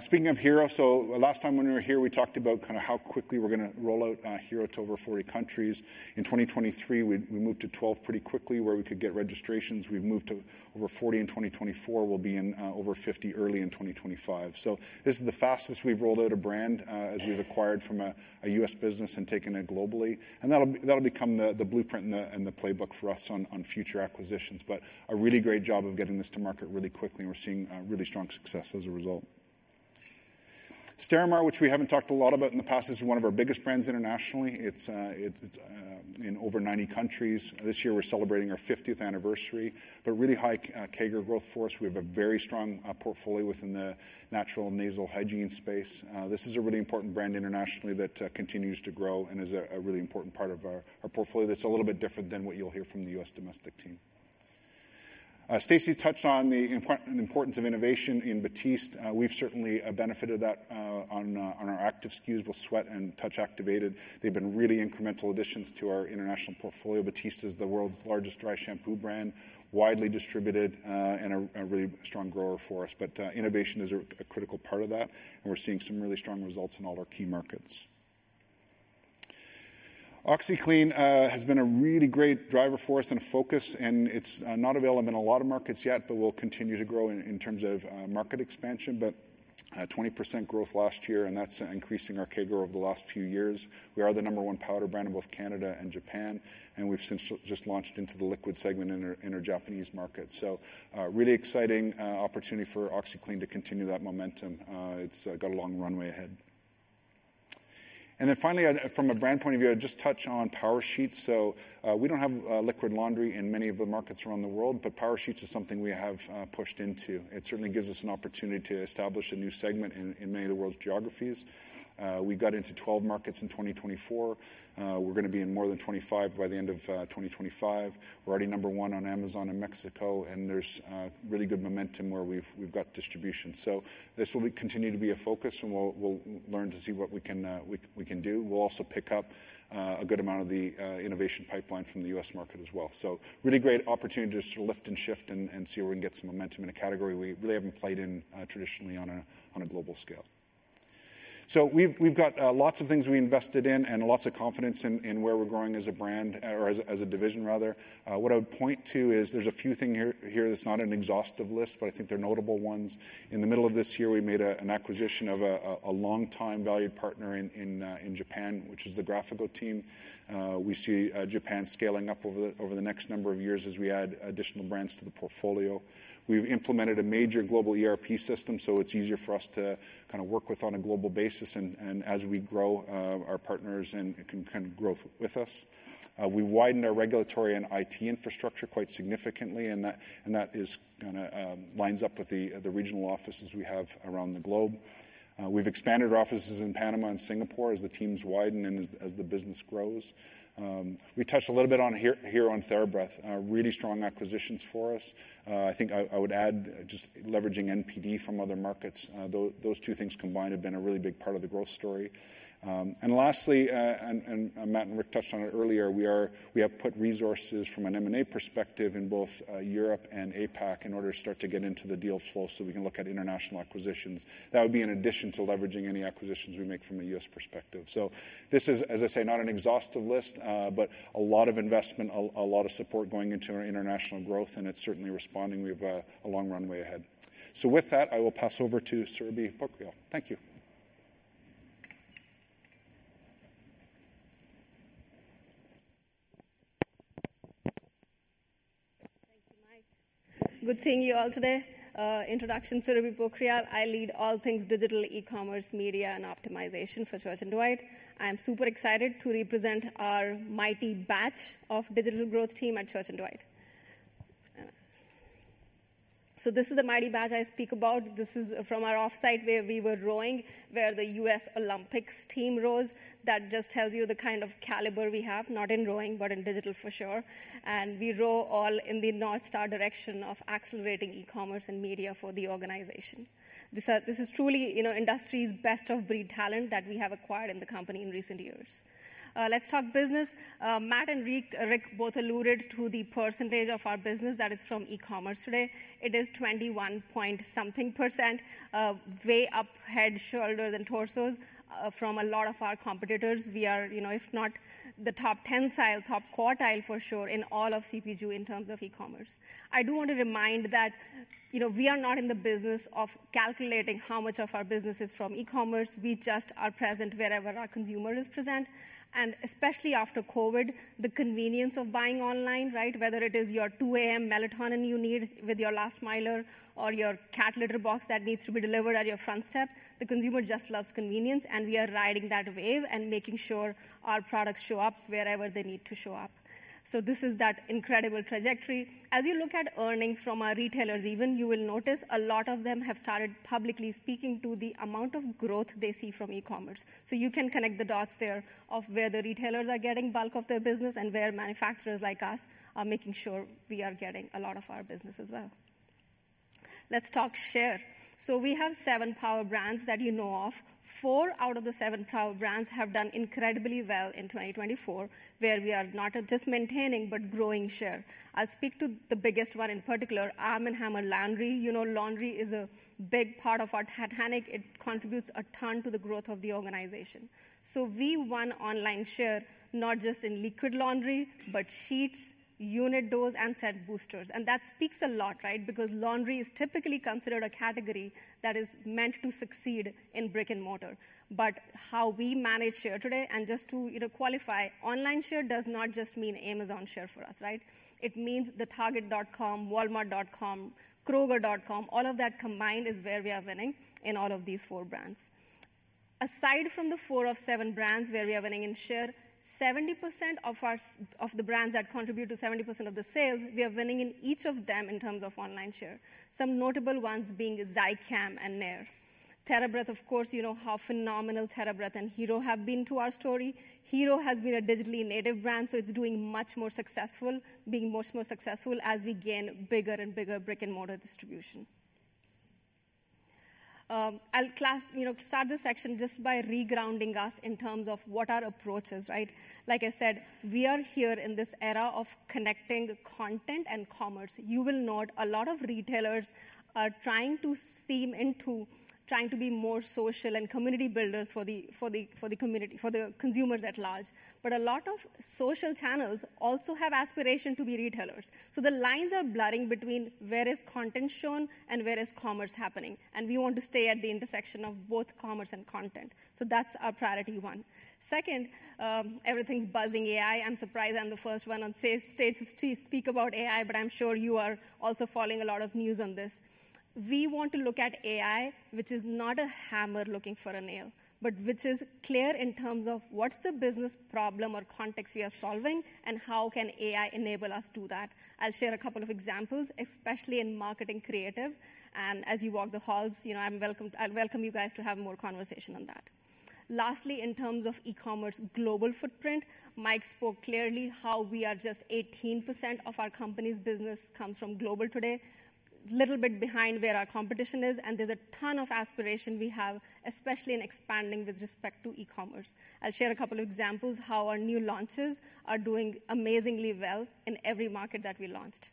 Speaking of Hero, so last time when we were here, we talked about kind of how quickly we're going to roll out Hero to over 40 countries. In 2023, we moved to 12 pretty quickly where we could get registrations. We've moved to over 40 in 2024. We'll be in over 50 early in 2025. So this is the fastest we've rolled out a brand as we've acquired from a US business and taken it globally. And that'll become the blueprint and the playbook for us on future acquisitions. But a really great job of getting this to market really quickly. And we're seeing really strong success as a result. Stérimar, which we haven't talked a lot about in the past, is one of our biggest brands internationally. It's in over 90 countries. This year, we're celebrating our 50th anniversary. But really high CAGR growth for us. We have a very strong portfolio within the natural and nasal hygiene space. This is a really important brand internationally that continues to grow and is a really important part of our portfolio that's a little bit different than what you'll hear from the U.S. domestic team. Stacey touched on the importance of innovation in Batiste. We've certainly benefited of that on our active skews with sweat and touch activated. They've been really incremental additions to our international portfolio. Batiste is the world's largest dry shampoo brand, widely distributed, and a really strong grower for us. But innovation is a critical part of that. And we're seeing some really strong results in all our key markets. OxiClean has been a really great driver for us and focus. It's not available in a lot of markets yet, but we'll continue to grow in terms of market expansion. But 20% growth last year. And that's increasing our CAGR over the last few years. We are the number one powder brand in both Canada and Japan. And we've since just launched into the liquid segment in our Japanese market. So really exciting opportunity for OxiClean to continue that momentum. It's got a long runway ahead. And then finally, from a brand point of view, I'd just touch on Power Sheets. So we don't have liquid laundry in many of the markets around the world, but Power Sheets is something we have pushed into. It certainly gives us an opportunity to establish a new segment in many of the world's geographies. We got into 12 markets in 2024. We're going to be in more than 25 by the end of 2025. We're already number one on Amazon in Mexico. And there's really good momentum where we've got distribution. So this will continue to be a focus. And we'll learn to see what we can do. We'll also pick up a good amount of the innovation pipeline from the U.S. market as well. So really great opportunity just to lift and shift and see where we can get some momentum in a category we really haven't played in traditionally on a global scale. So we've got lots of things we invested in and lots of confidence in where we're growing as a brand or as a division, rather. What I would point to is there's a few things here that's not an exhaustive list, but I think they're notable ones. In the middle of this year, we made an acquisition of a long-time valued partner in Japan, which is the Graphico team. We see Japan scaling up over the next number of years as we add additional brands to the portfolio. We've implemented a major global ERP system, so it's easier for us to kind of work with on a global basis. And as we grow, our partners can kind of grow with us. We've widened our regulatory and IT infrastructure quite significantly. And that kind of lines up with the regional offices we have around the globe. We've expanded our offices in Panama and Singapore as the teams widen and as the business grows. We touched a little bit on here on TheraBreath. Really strong acquisitions for us. I think I would add just leveraging NPD from other markets. Those two things combined have been a really big part of the growth story. Lastly, Matt and Rick touched on it earlier. We have put resources from an M&A perspective in both Europe and APAC in order to start to get into the deal flow so we can look at international acquisitions. That would be in addition to leveraging any acquisitions we make from a U.S. perspective. This is, as I say, not an exhaustive list, but a lot of investment, a lot of support going into our international growth. It's certainly responding. We have a long runway ahead. With that, I will pass over to Surabhi Pokhriyal. Thank you. Thank you, Mike. Good seeing you all today. Introduction, Surabhi Pokhriyal. I lead all things digital e-commerce, media, and optimization for Church & Dwight. I'm super excited to represent our mighty batch of digital growth team at Church & Dwight. This is the mighty batch I speak about. This is from our offsite where we were rowing, where the U.S. Olympics team rows. That just tells you the kind of caliber we have, not in rowing, but in digital for sure, and we row all in the North Star direction of accelerating e-commerce and media for the organization. This is truly industry's best of breed talent that we have acquired in the company in recent years. Let's talk business. Matt and Rick both alluded to the percentage of our business that is from e-commerce today. It is 21-point-something, way up, head, shoulders, and torsos from a lot of our competitors. We are, if not the top decile, top quartile for sure in all of CPG in terms of e-commerce. I do want to remind that we are not in the business of calculating how much of our business is from e-commerce. We just are present wherever our consumer is present. And especially after COVID, the convenience of buying online, right? Whether it is your 2:00 A.M. melatonin you need with your last mile or your cat litter box that needs to be delivered at your front step, the consumer just loves convenience. And we are riding that wave and making sure our products show up wherever they need to show up. So this is that incredible trajectory. As you look at earnings from our retailers, even you will notice a lot of them have started publicly speaking to the amount of growth they see from e-commerce. So you can connect the dots there of where the retailers are getting bulk of their business and where manufacturers like us are making sure we are getting a lot of our business as well. Let's talk share. We have seven power brands that you know of. Four out of the seven power brands have done incredibly well in 2024, where we are not just maintaining, but growing share. I'll speak to the biggest one in particular, Arm & Hammer Laundry. You know, laundry is a big part of our Titanic. It contributes a ton to the growth of the organization. We won online share, not just in liquid laundry, but sheets, unit dose, and scent boosters. And that speaks a lot, right? Because laundry is typically considered a category that is meant to succeed in brick and mortar. But how we manage share today, and just to qualify, online share does not just mean Amazon share for us, right? It means the Target.com, Walmart.com, Kroger.com. All of that combined is where we are winning in all of these four brands. Aside from the four of seven brands where we are winning in share, 70% of the brands that contribute to 70% of the sales, we are winning in each of them in terms of online share. Some notable ones being Zicam and Nair. TheraBreath, of course, you know how phenomenal TheraBreath and Hero have been to our story. Hero has been a digitally native brand, so it's doing much more successful, being much more successful as we gain bigger and bigger brick and mortar distribution. I'll start this section just by regrounding us in terms of what our approach is, right? Like I said, we are here in this era of connecting content and commerce. You will note a lot of retailers are trying to lean into trying to be more social and community builders for the community, for the consumers at large. A lot of social channels also have aspiration to be retailers. The lines are blurring between where is content shown and where is commerce happening. We want to stay at the intersection of both commerce and content. That's our priority one. Second, everything's buzzing AI. I'm surprised I'm the first one on stage to speak about AI, but I'm sure you are also following a lot of news on this. We want to look at AI, which is not a hammer looking for a nail, but which is clear in terms of what's the business problem or context we are solving and how can AI enable us to do that. I'll share a couple of examples, especially in marketing creative. As you walk the halls, I welcome you guys to have more conversation on that. Lastly, in terms of e-commerce global footprint, Mike spoke clearly how we are just 18% of our company's business comes from global today, a little bit behind where our competition is. There's a ton of aspiration we have, especially in expanding with respect to e-commerce. I'll share a couple of examples how our new launches are doing amazingly well in every market that we launched.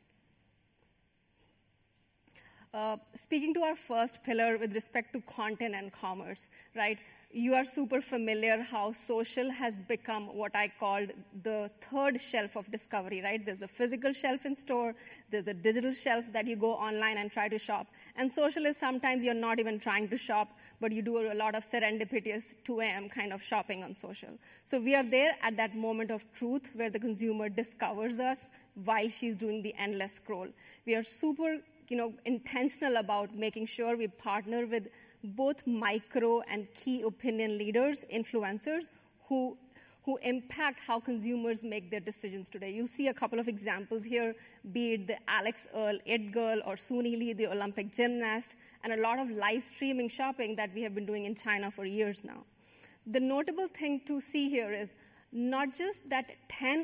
Speaking to our first pillar with respect to content and commerce, right? You are super familiar how social has become what I called the third shelf of discovery, right? There's a physical shelf in store. There's a digital shelf that you go online and try to shop. And social is sometimes you're not even trying to shop, but you do a lot of serendipitous 2:00 A.M. kind of shopping on social. So we are there at that moment of truth where the consumer discovers us, while she's doing the endless scroll. We are super intentional about making sure we partner with both micro and key opinion leaders, influencers who impact how consumers make their decisions today. You'll see a couple of examples here, be it the Alix Earle, It Girl, or Suni Lee, the Olympic gymnast, and a lot of live streaming shopping that we have been doing in China for years now. The notable thing to see here is not just that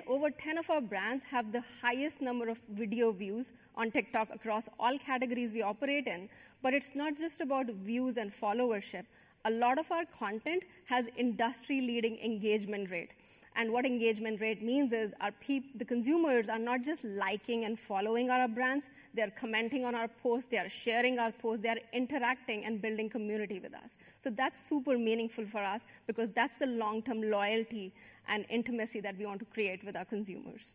over 10 of our brands have the highest number of video views on TikTok across all categories we operate in, but it's not just about views and followership. A lot of our content has industry-leading engagement rate, and what engagement rate means is the consumers are not just liking and following our brands. They are commenting on our posts. They are sharing our posts. They are interacting and building community with us. So that's super meaningful for us because that's the long-term loyalty and intimacy that we want to create with our consumers.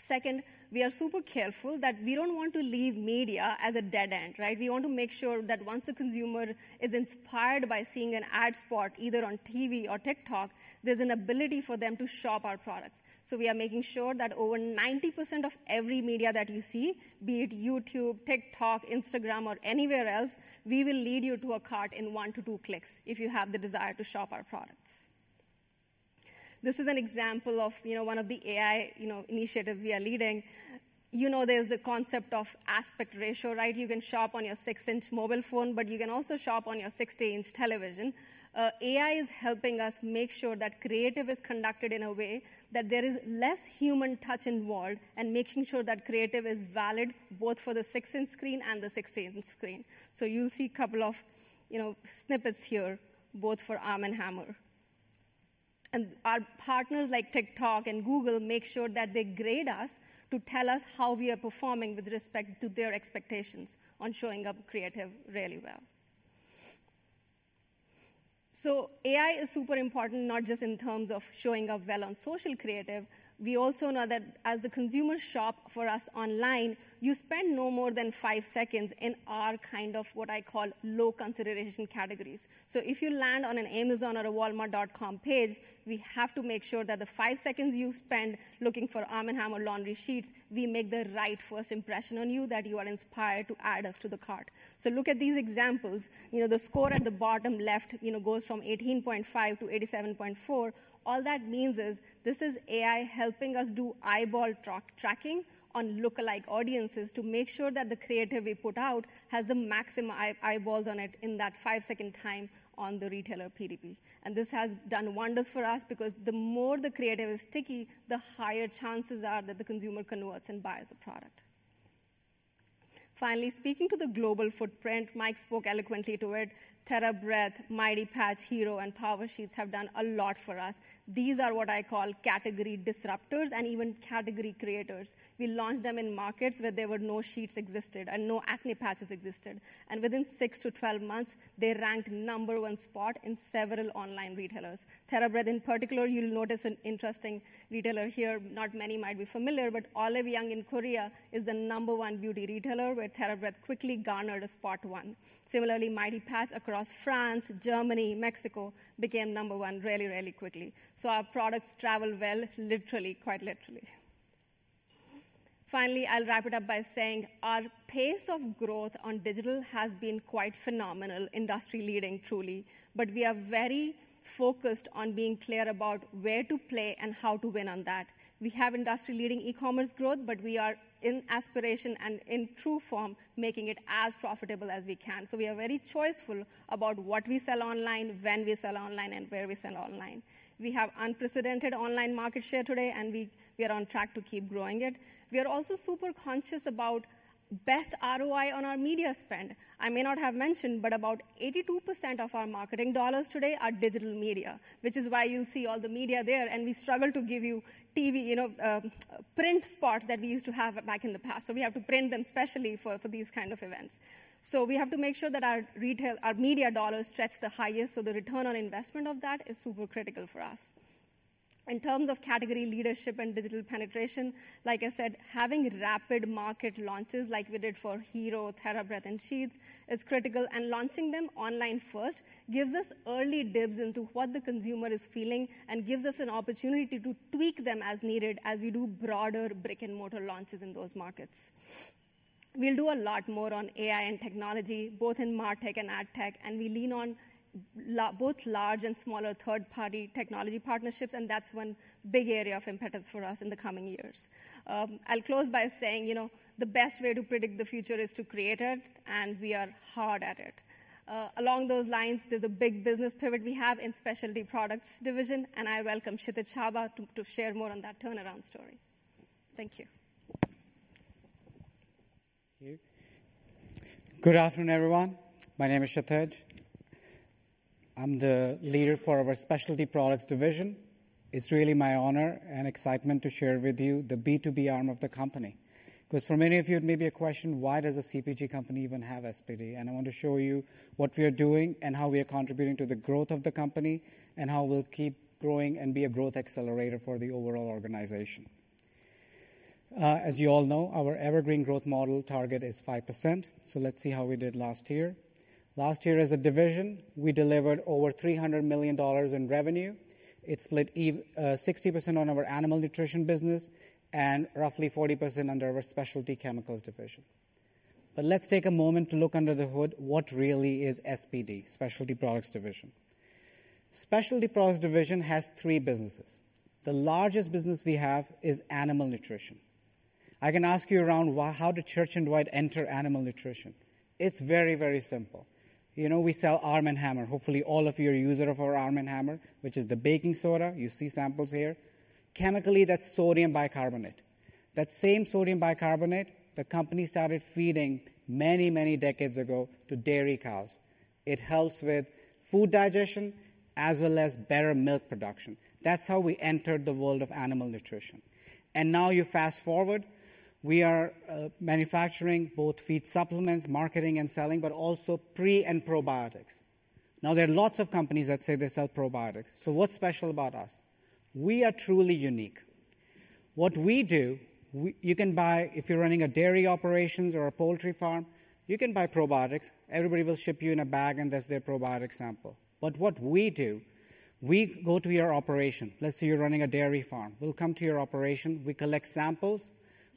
Second, we are super careful that we don't want to leave media as a dead end, right? We want to make sure that once the consumer is inspired by seeing an ad spot either on TV or TikTok, there's an ability for them to shop our products. So we are making sure that over 90% of every media that you see, be it YouTube, TikTok, Instagram, or anywhere else, we will lead you to a cart in one to two clicks if you have the desire to shop our products. This is an example of one of the AI initiatives we are leading. You know there's the concept of aspect ratio, right? You can shop on your six-inch mobile phone, but you can also shop on your 60-inch television. AI is helping us make sure that creative is conducted in a way that there is less human touch involved and making sure that creative is valid both for the six-inch screen and the 60-inch screen, so you'll see a couple of snippets here, both for Arm & Hammer, and our partners like TikTok and Google make sure that they grade us to tell us how we are performing with respect to their expectations on showing up creative really well, so AI is super important, not just in terms of showing up well on social creative. We also know that as the consumers shop for us online, you spend no more than five seconds in our kind of what I call low consideration categories. So if you land on an Amazon or a Walmart.com page, we have to make sure that the five seconds you spend looking for Arm & Hammer laundry sheets, we make the right first impression on you that you are inspired to add us to the cart. So look at these examples. The score at the bottom left goes from 18.5 to 87.4. All that means is this is AI helping us do eyeball tracking on lookalike audiences to make sure that the creative we put out has the maximum eyeballs on it in that five-second time on the retailer PDP. And this has done wonders for us because the more the creative is sticky, the higher chances are that the consumer converts and buys the product. Finally, speaking to the global footprint, Mike spoke eloquently to it. TheraBreath, Mighty Patch, Hero, and Power Sheets have done a lot for us. These are what I call category disruptors and even category creators. We launched them in markets where there were no sheets existed and no acne patches existed. Within six to 12 months, they ranked number one spot in several online retailers. TheraBreath, in particular, you'll notice an interesting retailer here. Not many might be familiar, but Olive Young in Korea is the number one beauty retailer where TheraBreath quickly garnered a spot one. Similarly, Mighty Patch across France, Germany, Mexico became number one really, really quickly. Our products travel well, literally, quite literally. Finally, I'll wrap it up by saying our pace of growth on digital has been quite phenomenal, industry-leading, truly. We are very focused on being clear about where to play and how to win on that. We have industry-leading e-commerce growth, but we are in aspiration and in true form making it as profitable as we can. So we are very choiceful about what we sell online, when we sell online, and where we sell online. We have unprecedented online market share today, and we are on track to keep growing it. We are also super conscious about best ROI on our media spend. I may not have mentioned, but about 82% of our marketing dollars today are digital media, which is why you see all the media there. And we struggle to give you TV print spots that we used to have back in the past. So we have to print them specially for these kinds of events. So we have to make sure that our media dollars stretch the highest. So the return on investment of that is super critical for us. In terms of category leadership and digital penetration, like I said, having rapid market launches like we did for Hero, TheraBreath, and Sheets is critical, and launching them online first gives us early dibs into what the consumer is feeling and gives us an opportunity to tweak them as needed as we do broader brick and mortar launches in those markets. We'll do a lot more on AI and technology, both in MarTech and AdTech, and we lean on both large and smaller third-party technology partnerships, and that's one big area of impetus for us in the coming years. I'll close by saying the best way to predict the future is to create it, and we are hard at it. Along those lines, there's a big business pivot we have in specialty products division, and I welcome Kshitij Chabba to share more on that turnaround story. Thank you. Good afternoon, everyone. My name is Kshitij. I'm the leader for our specialty products division. It's really my honor and excitement to share with you the B2B arm of the company. Because for many of you, it may be a question, why does a CPG company even have SPD? And I want to show you what we are doing and how we are contributing to the growth of the company and how we'll keep growing and be a growth accelerator for the overall organization. As you all know, our evergreen growth model target is 5%. So let's see how we did last year. Last year, as a division, we delivered over $300 million in revenue. It split 60% on our animal nutrition business and roughly 40% under our specialty chemicals division. But let's take a moment to look under the hood what really is SPD, specialty products division. Specialty Products Division has three businesses. The largest business we have is animal nutrition. I can ask around, how did Church & Dwight enter animal nutrition? It's very, very simple. We sell Arm & Hammer. Hopefully, all of you are users of our Arm & Hammer, which is the baking soda. You see samples here. Chemically, that's sodium bicarbonate. That same sodium bicarbonate, the company started feeding many, many decades ago to dairy cows. It helps with food digestion as well as better milk production. That's how we entered the world of animal nutrition. Now you fast forward, we are manufacturing both feed supplements, marketing and selling, but also pre- and probiotics. Now, there are lots of companies that say they sell probiotics. So what's special about us? We are truly unique. What we do, you can buy if you're running a dairy operation or a poultry farm, you can buy probiotics. Everybody will ship you in a bag, and there's their probiotic sample. But what we do, we go to your operation. Let's say you're running a dairy farm. We'll come to your operation. We collect samples.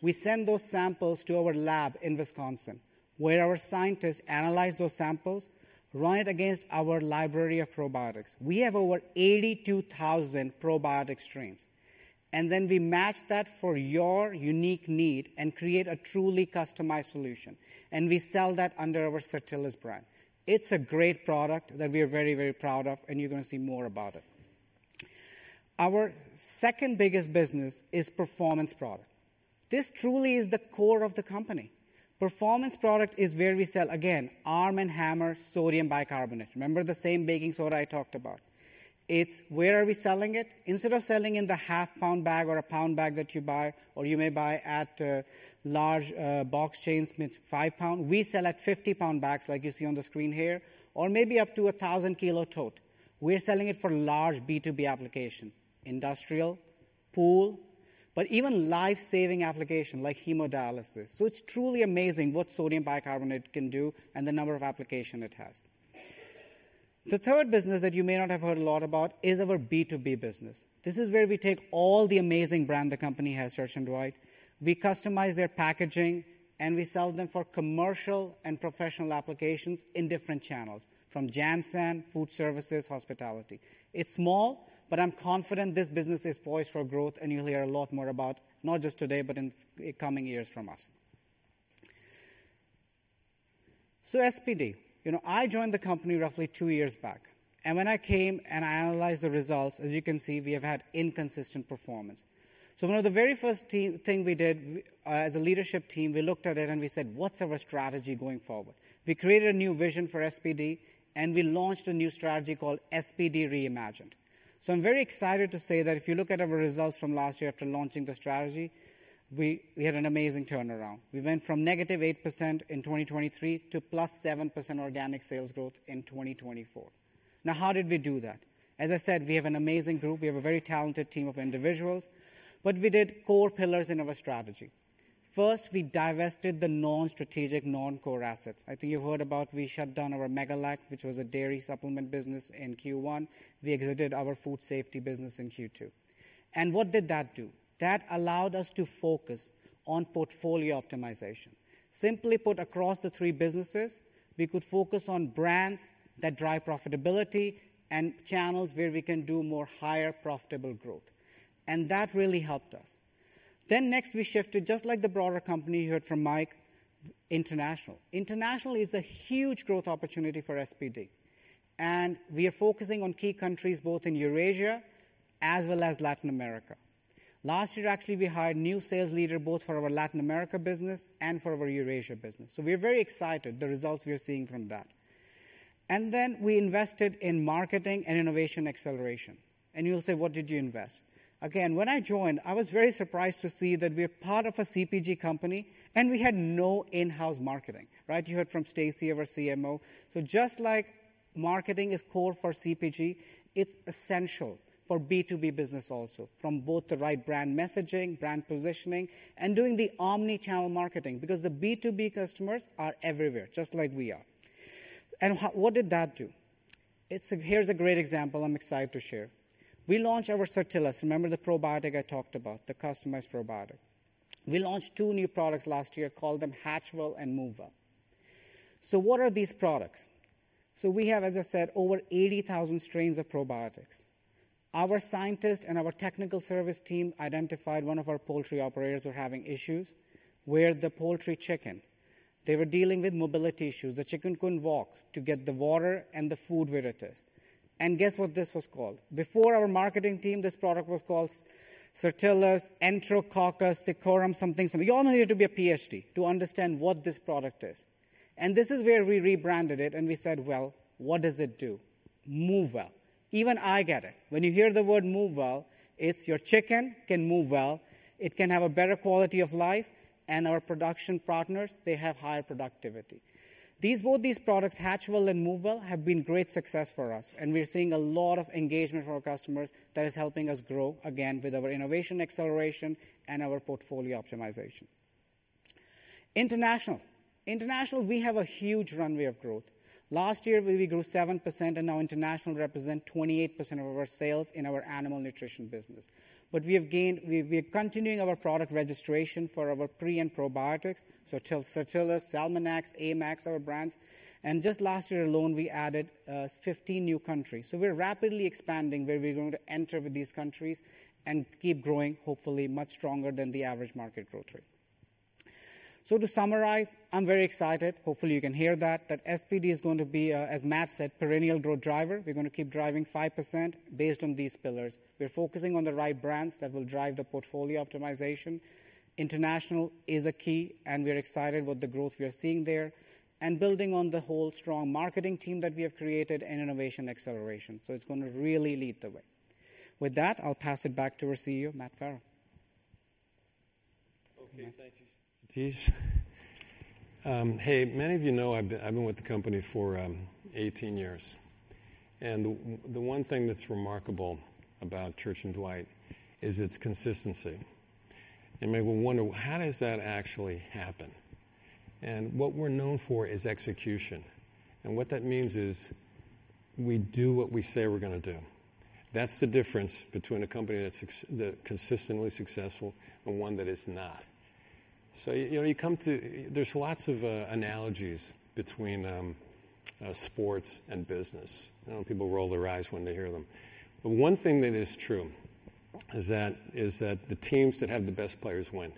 We send those samples to our lab in Wisconsin, where our scientists analyze those samples, run it against our library of probiotics. We have over 82,000 probiotic strains. And then we match that for your unique need and create a truly customized solution. And we sell that under our Certillus brand. It's a great product that we are very, very proud of, and you're going to see more about it. Our second biggest business is performance product. This truly is the core of the company. Performance Products is where we sell, again, Arm & Hammer sodium bicarbonate. Remember the same baking soda I talked about. It's where we are selling it. Instead of selling in the half-pound bag or a pound bag that you buy, or you may buy at large box chains, meaning 5 lbs. We sell in 50 lbs bags, like you see on the screen here, or maybe up to a 1,000-kilo tote. We're selling it for large B2B applications, industrial, pool, but even life-saving applications like hemodialysis. So it's truly amazing what sodium bicarbonate can do and the number of applications it has. The third business that you may not have heard a lot about is our B2B business. This is where we take all the amazing brands the company has, Church & Dwight. We customize their packaging, and we sell them for commercial and professional applications in different channels from JanSan, food services, hospitality. It's small, but I'm confident this business is poised for growth, and you'll hear a lot more about not just today, but in coming years from us. So SPD, I joined the company roughly two years back. And when I came and I analyzed the results, as you can see, we have had inconsistent performance. So one of the very first things we did as a leadership team, we looked at it and we said, "What's our strategy going forward?" We created a new vision for SPD, and we launched a new strategy called SPD Reimagined. So I'm very excited to say that if you look at our results from last year after launching the strategy, we had an amazing turnaround. We went from negative 8% in 2023 to plus 7% organic sales growth in 2024. Now, how did we do that? As I said, we have an amazing group. We have a very talented team of individuals. But we did core pillars in our strategy. First, we divested the non-strategic non-core assets. I think you've heard about we shut down our Megalac, which was a dairy supplement business in Q1. We exited our food safety business in Q2. And what did that do? That allowed us to focus on portfolio optimization. Simply put, across the three businesses, we could focus on brands that drive profitability and channels where we can do more higher profitable growth. And that really helped us. Then next, we shifted, just like the broader company you heard from Mike, international. International is a huge growth opportunity for SBD. We are focusing on key countries both in Eurasia as well as Latin America. Last year, actually, we hired new sales leaders both for our Latin America business and for our Eurasia business. So we are very excited, the results we are seeing from that. And then we invested in marketing and innovation acceleration. And you'll say, "What did you invest?" Again, when I joined, I was very surprised to see that we're part of a CPG company, and we had no in-house marketing, right? You heard from Stacey, our CMO. So just like marketing is core for CPG, it's essential for B2B business also from both the right brand messaging, brand positioning, and doing the omnichannel marketing because the B2B customers are everywhere, just like we are. And what did that do? Here's a great example I'm excited to share. We launched our Certillus. Remember the probiotic I talked about, the customized probiotic? We launched two new products last year. Call them HatchWell and MoveWell. So what are these products? So we have, as I said, over 80,000 strains of probiotics. Our scientists and our technical service team identified one of our poultry operators were having issues with the poultry chicken. They were dealing with mobility issues. The chicken couldn't walk to get the water and the food where it is. And guess what this was called? Before our marketing team, this product was called Certillus Enterococcus cecorum something. You all needed to be a PhD to understand what this product is. And this is where we rebranded it, and we said, "Well, what does it do?" MoveWell. Even I get it. When you hear the word MoveWell, it's your chicken can move well. It can have a better quality of life. Our production partners, they have higher productivity. Both these products, HatchWell and MoveWell, have been great success for us. And we're seeing a lot of engagement from our customers that is helping us grow again with our innovation acceleration and our portfolio optimization. International, we have a huge runway of growth. Last year, we grew 7%, and now international represents 28% of our sales in our animal nutrition business. But we are continuing our product registration for our pre and probiotics, so Certillus, Celmanax, A-MAX, our brands. And just last year alone, we added 15 new countries. So we're rapidly expanding where we're going to enter with these countries and keep growing, hopefully, much stronger than the average market growth rate. To summarize, I'm very excited. Hopefully, you can hear that, that SBD is going to be, as Matt said, perennial growth driver. We're going to keep driving 5% based on these pillars. We're focusing on the right brands that will drive the portfolio optimization. International is a key, and we're excited with the growth we are seeing there and building on the whole strong marketing team that we have created and innovation acceleration. So it's going to really lead the way. With that, I'll pass it back to our CEO, Matt Ferrell. Okay, thank you. Jeez. Hey, many of you know I've been with the company for 18 years. And the one thing that's remarkable about Church & Dwight is its consistency. And many will wonder, how does that actually happen? And what we're known for is execution. And what that means is we do what we say we're going to do. That's the difference between a company that's consistently successful and one that is not. So, you know, there's lots of analogies between sports and business. I don't know if people roll their eyes when they hear them. But one thing that is true is that the teams that have the best players win.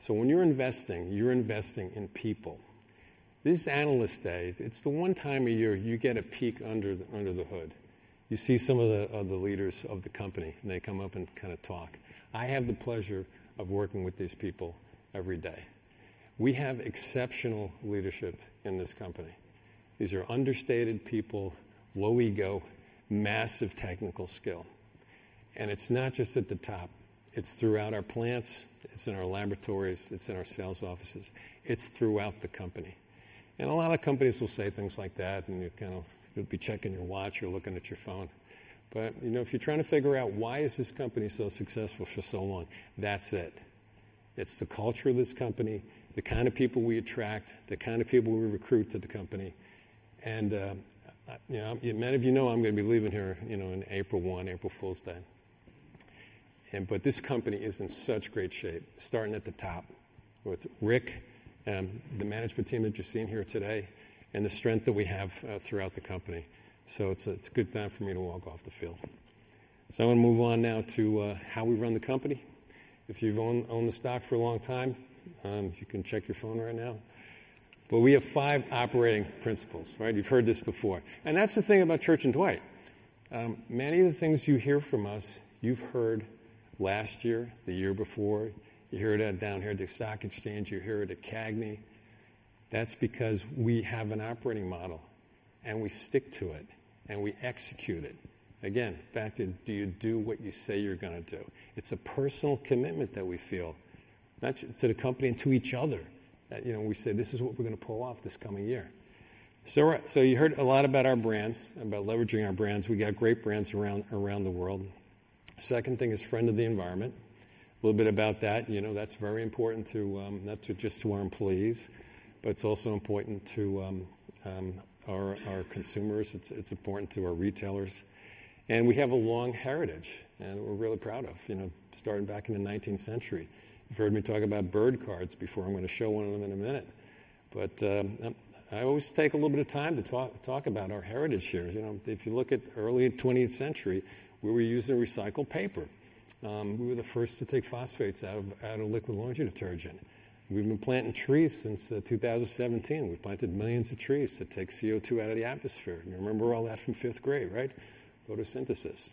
So when you're investing, you're investing in people. This is Analyst Day. It's the one time a year you get a peek under the hood. You see some of the leaders of the company, and they come up and kind of talk. I have the pleasure of working with these people every day. We have exceptional leadership in this company. These are understated people, low ego, massive technical skill. And it's not just at the top. It's throughout our plants. It's in our laboratories. It's in our sales offices. It's throughout the company. A lot of companies will say things like that, and you'll be checking your watch or looking at your phone. But if you're trying to figure out why is this company so successful for so long, that's it. It's the culture of this company, the kind of people we attract, the kind of people we recruit to the company. Many of you know I'm going to be leaving here on April 1, April Fool's Day. But this company is in such great shape, starting at the top with Rick and the management team that you're seeing here today and the strength that we have throughout the company. It's a good time for me to walk off the field. I want to move on now to how we run the company. If you've owned the stock for a long time, you can check your phone right now. But we have five operating principles, right? You've heard this before. And that's the thing about Church & Dwight. Many of the things you hear from us, you've heard last year, the year before. You hear it at New York Stock Exchange. You hear it at CAGNY. That's because we have an operating model, and we stick to it, and we execute it. Again, back to do you do what you say you're going to do. It's a personal commitment that we feel to the company and to each other. We say, "This is what we're going to pull off this coming year." So you heard a lot about our brands, about leveraging our brands. We got great brands around the world. Second thing is friend of the environment. A little bit about that. That's very important not just to our employees, but it's also important to our consumers. It's important to our retailers. And we have a long heritage that we're really proud of, starting back in the 19th century. You've heard me talk about bird cards before. I'm going to show one of them in a minute. But I always take a little bit of time to talk about our heritage here. If you look at early 20th century, we were using recycled paper. We were the first to take phosphates out of liquid laundry detergent. We've been planting trees since 2017. We've planted millions of trees to take CO2 out of the atmosphere. You remember all that from fifth grade, right? Photosynthesis.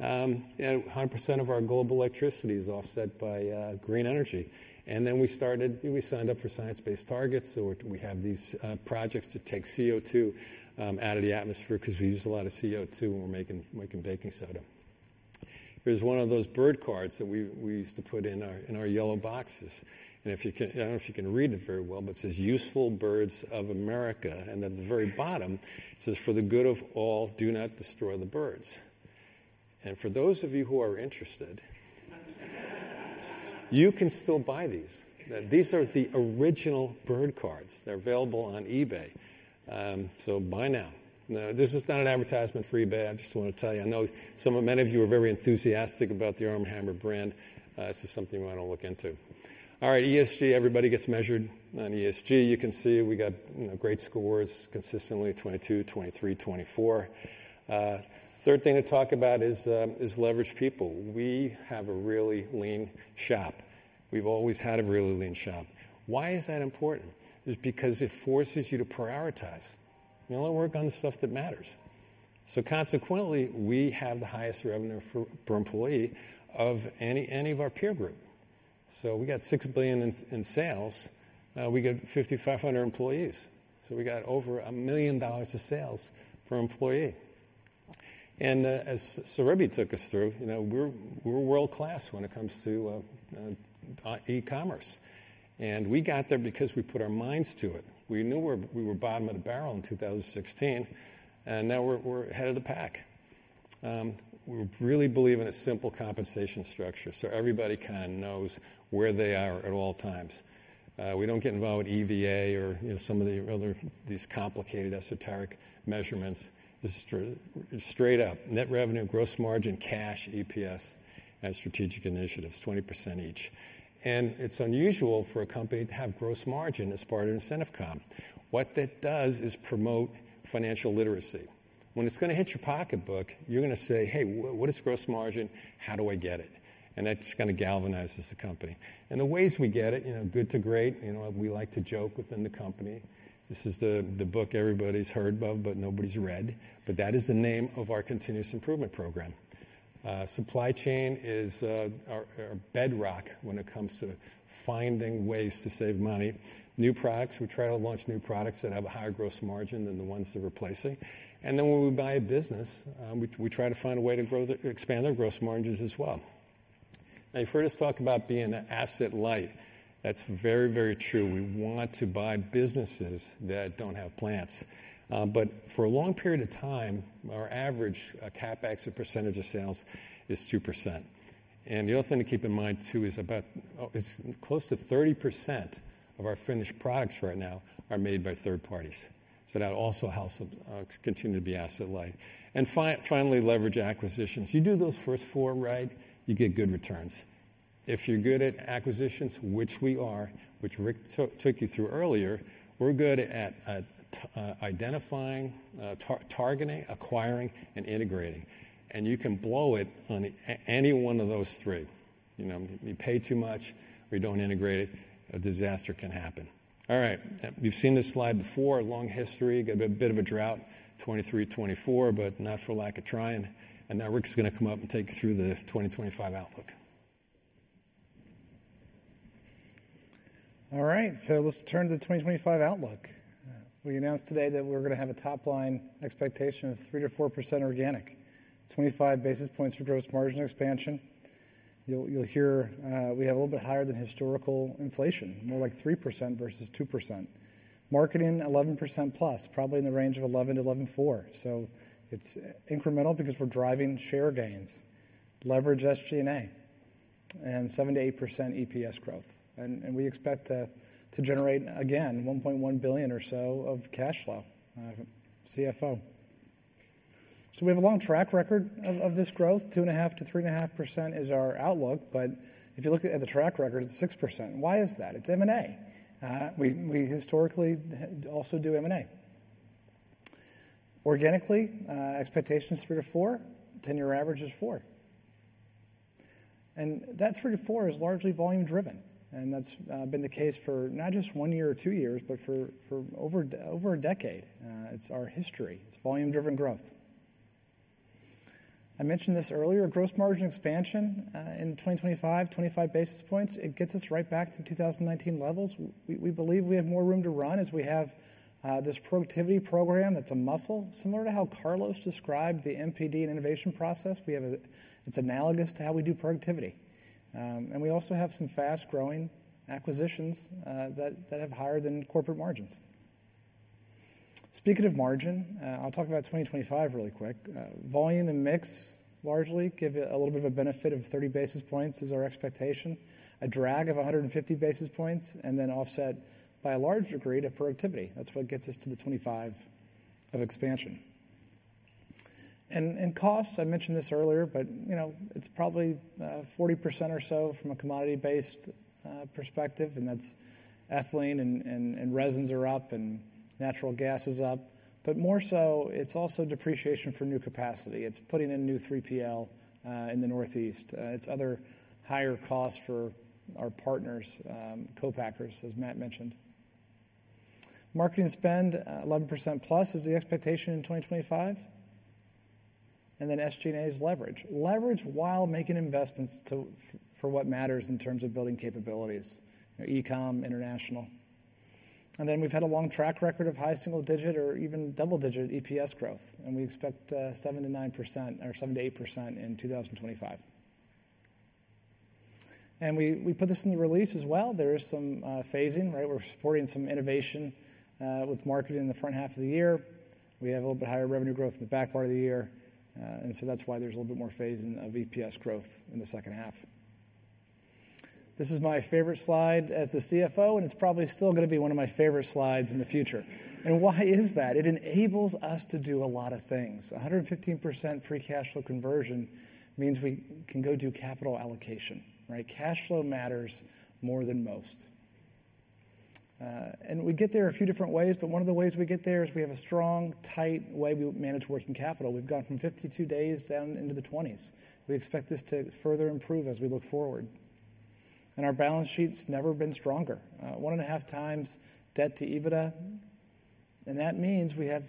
100% of our global electricity is offset by green energy. And then we signed up for science-based targets. So we have these projects to take CO2 out of the atmosphere because we use a lot of CO2 when we're making baking soda. Here's one of those bird cards that we used to put in our yellow boxes. And I don't know if you can read it very well, but it says, "Useful Birds of America." And at the very bottom, it says, "For the good of all, do not destroy the birds." And for those of you who are interested, you can still buy these. These are the original bird cards. They're available on eBay. So buy now. This is not an advertisement for eBay. I just want to tell you, I know many of you are very enthusiastic about the Arm & Hammer brand. This is something you want to look into. All right, ESG, everybody gets measured on ESG. You can see we got great scores consistently, 2022, 2023, 2024. Third thing to talk about is leveraged people. We have a really lean shop. We've always had a really lean shop. Why is that important? It's because it forces you to prioritize. You want to work on the stuff that matters, so consequently, we have the highest revenue per employee of any of our peer group, so we got $6 billion in sales, we got 5,500 employees, so we got over $1 million of sales per employee, and as Surabhi took us through, we're world-class when it comes to e-commerce, and we got there because we put our minds to it. We knew we were bottom of the barrel in 2016, and now we're ahead of the pack. We really believe in a simple compensation structure so everybody kind of knows where they are at all times. We don't get involved with EVA or some of these complicated esoteric measurements. It's straight up net revenue, gross margin, cash, EPS, and strategic initiatives, 20% each. And it's unusual for a company to have gross margin as part of incentive comp. What that does is promote financial literacy. When it's going to hit your pocketbook, you're going to say, "Hey, what is gross margin? How do I get it?" And that just kind of galvanizes the company. And the ways we get it, Good to Great, we like to joke within the company. This is the book everybody's heard of, but nobody's read. But that is the name of our continuous improvement program. Supply chain is our bedrock when it comes to finding ways to save money. New products, we try to launch new products that have a higher gross margin than the ones that we're placing. And then when we buy a business, we try to find a way to expand their gross margins as well. Now, you've heard us talk about being asset-light. That's very, very true. We want to buy businesses that don't have plants. But for a long period of time, our average CapEx or percentage of sales is 2%. And the other thing to keep in mind too is close to 30% of our finished products right now are made by third parties. So that also helps continue to be asset-light. And finally, leverage acquisitions. You do those first four right, you get good returns. If you're good at acquisitions, which we are, which Rick took you through earlier, we're good at identifying, targeting, acquiring, and integrating. And you can blow it on any one of those three. You pay too much, or you don't integrate it, a disaster can happen. All right, you've seen this slide before, long history, got a bit of a drought, 2023, 2024, but not for lack of trying. Now Rick's going to come up and take you through the 2025 outlook. All right, so let's turn to the 2025 outlook. We announced today that we're going to have a top-line expectation of 3%-4% organic, 25 basis points for gross margin expansion. You'll hear we have a little bit higher than historical inflation, more like 3% versus 2%. Marketing, 11% plus, probably in the range of 11%-11.4%. It's incremental because we're driving share gains, leverage SG&A, and 7%-8% EPS growth. We expect to generate, again, $1.1 billion or so of cash flow, CFO. We have a long track record of this growth. 2.5-3.5% is our outlook. But if you look at the track record, it's 6%. Why is that? It's M&A. We historically also do M&A. Organically, expectations 3-4%, 10-year average is 4%. And that 3-4% is largely volume-driven. And that's been the case for not just one year or two years, but for over a decade. It's our history. It's volume-driven growth. I mentioned this earlier, gross margin expansion in 2025, 25 basis points. It gets us right back to 2019 levels. We believe we have more room to run as we have this productivity program that's a muscle, similar to how Carlos described the NPD and innovation process. It's analogous to how we do productivity. And we also have some fast-growing acquisitions that have higher than corporate margins. Speaking of margin, I'll talk about 2025 really quick. Volume and mix largely give you a little bit of a benefit of 30 basis points. That's our expectation, a drag of 150 basis points, and then offset by a large degree to productivity. That's what gets us to the 25 of expansion. And costs, I mentioned this earlier, but it's probably 40% or so from a commodity-based perspective. And that's ethylene and resins are up and natural gas is up. But more so, it's also depreciation for new capacity. It's putting in new 3PL in the Northeast. It's other higher costs for our partners, co-packers, as Matt mentioned. Marketing spend, 11%+ is the expectation in 2025. And then SG&A is leverage. Leverage while making investments for what matters in terms of building capabilities, e-comm, international. And then we've had a long track record of high single-digit or even double-digit EPS growth. And we expect 7%-9% or 7%-8% in 2025. And we put this in the release as well. There is some phasing, right? We're supporting some innovation with marketing in the front half of the year. We have a little bit higher revenue growth in the back part of the year. And so that's why there's a little bit more phasing of EPS growth in the second half. This is my favorite slide as the CFO, and it's probably still going to be one of my favorite slides in the future. And why is that? It enables us to do a lot of things. 115% free cash flow conversion means we can go do capital allocation, right? Cash flow matters more than most. And we get there a few different ways, but one of the ways we get there is we have a strong, tight way we manage working capital. We've gone from 52 days down into the 20s. We expect this to further improve as we look forward. And our balance sheet's never been stronger. One and a half times debt to EBITDA. And that means we have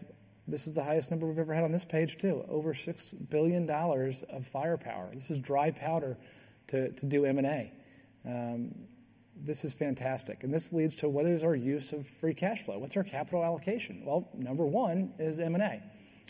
this is the highest number we've ever had on this page too, over $6 billion of firepower. This is dry powder to do M&A. This is fantastic. And this leads to what is our use of free cash flow? What's our capital allocation? Well, number one is M&A.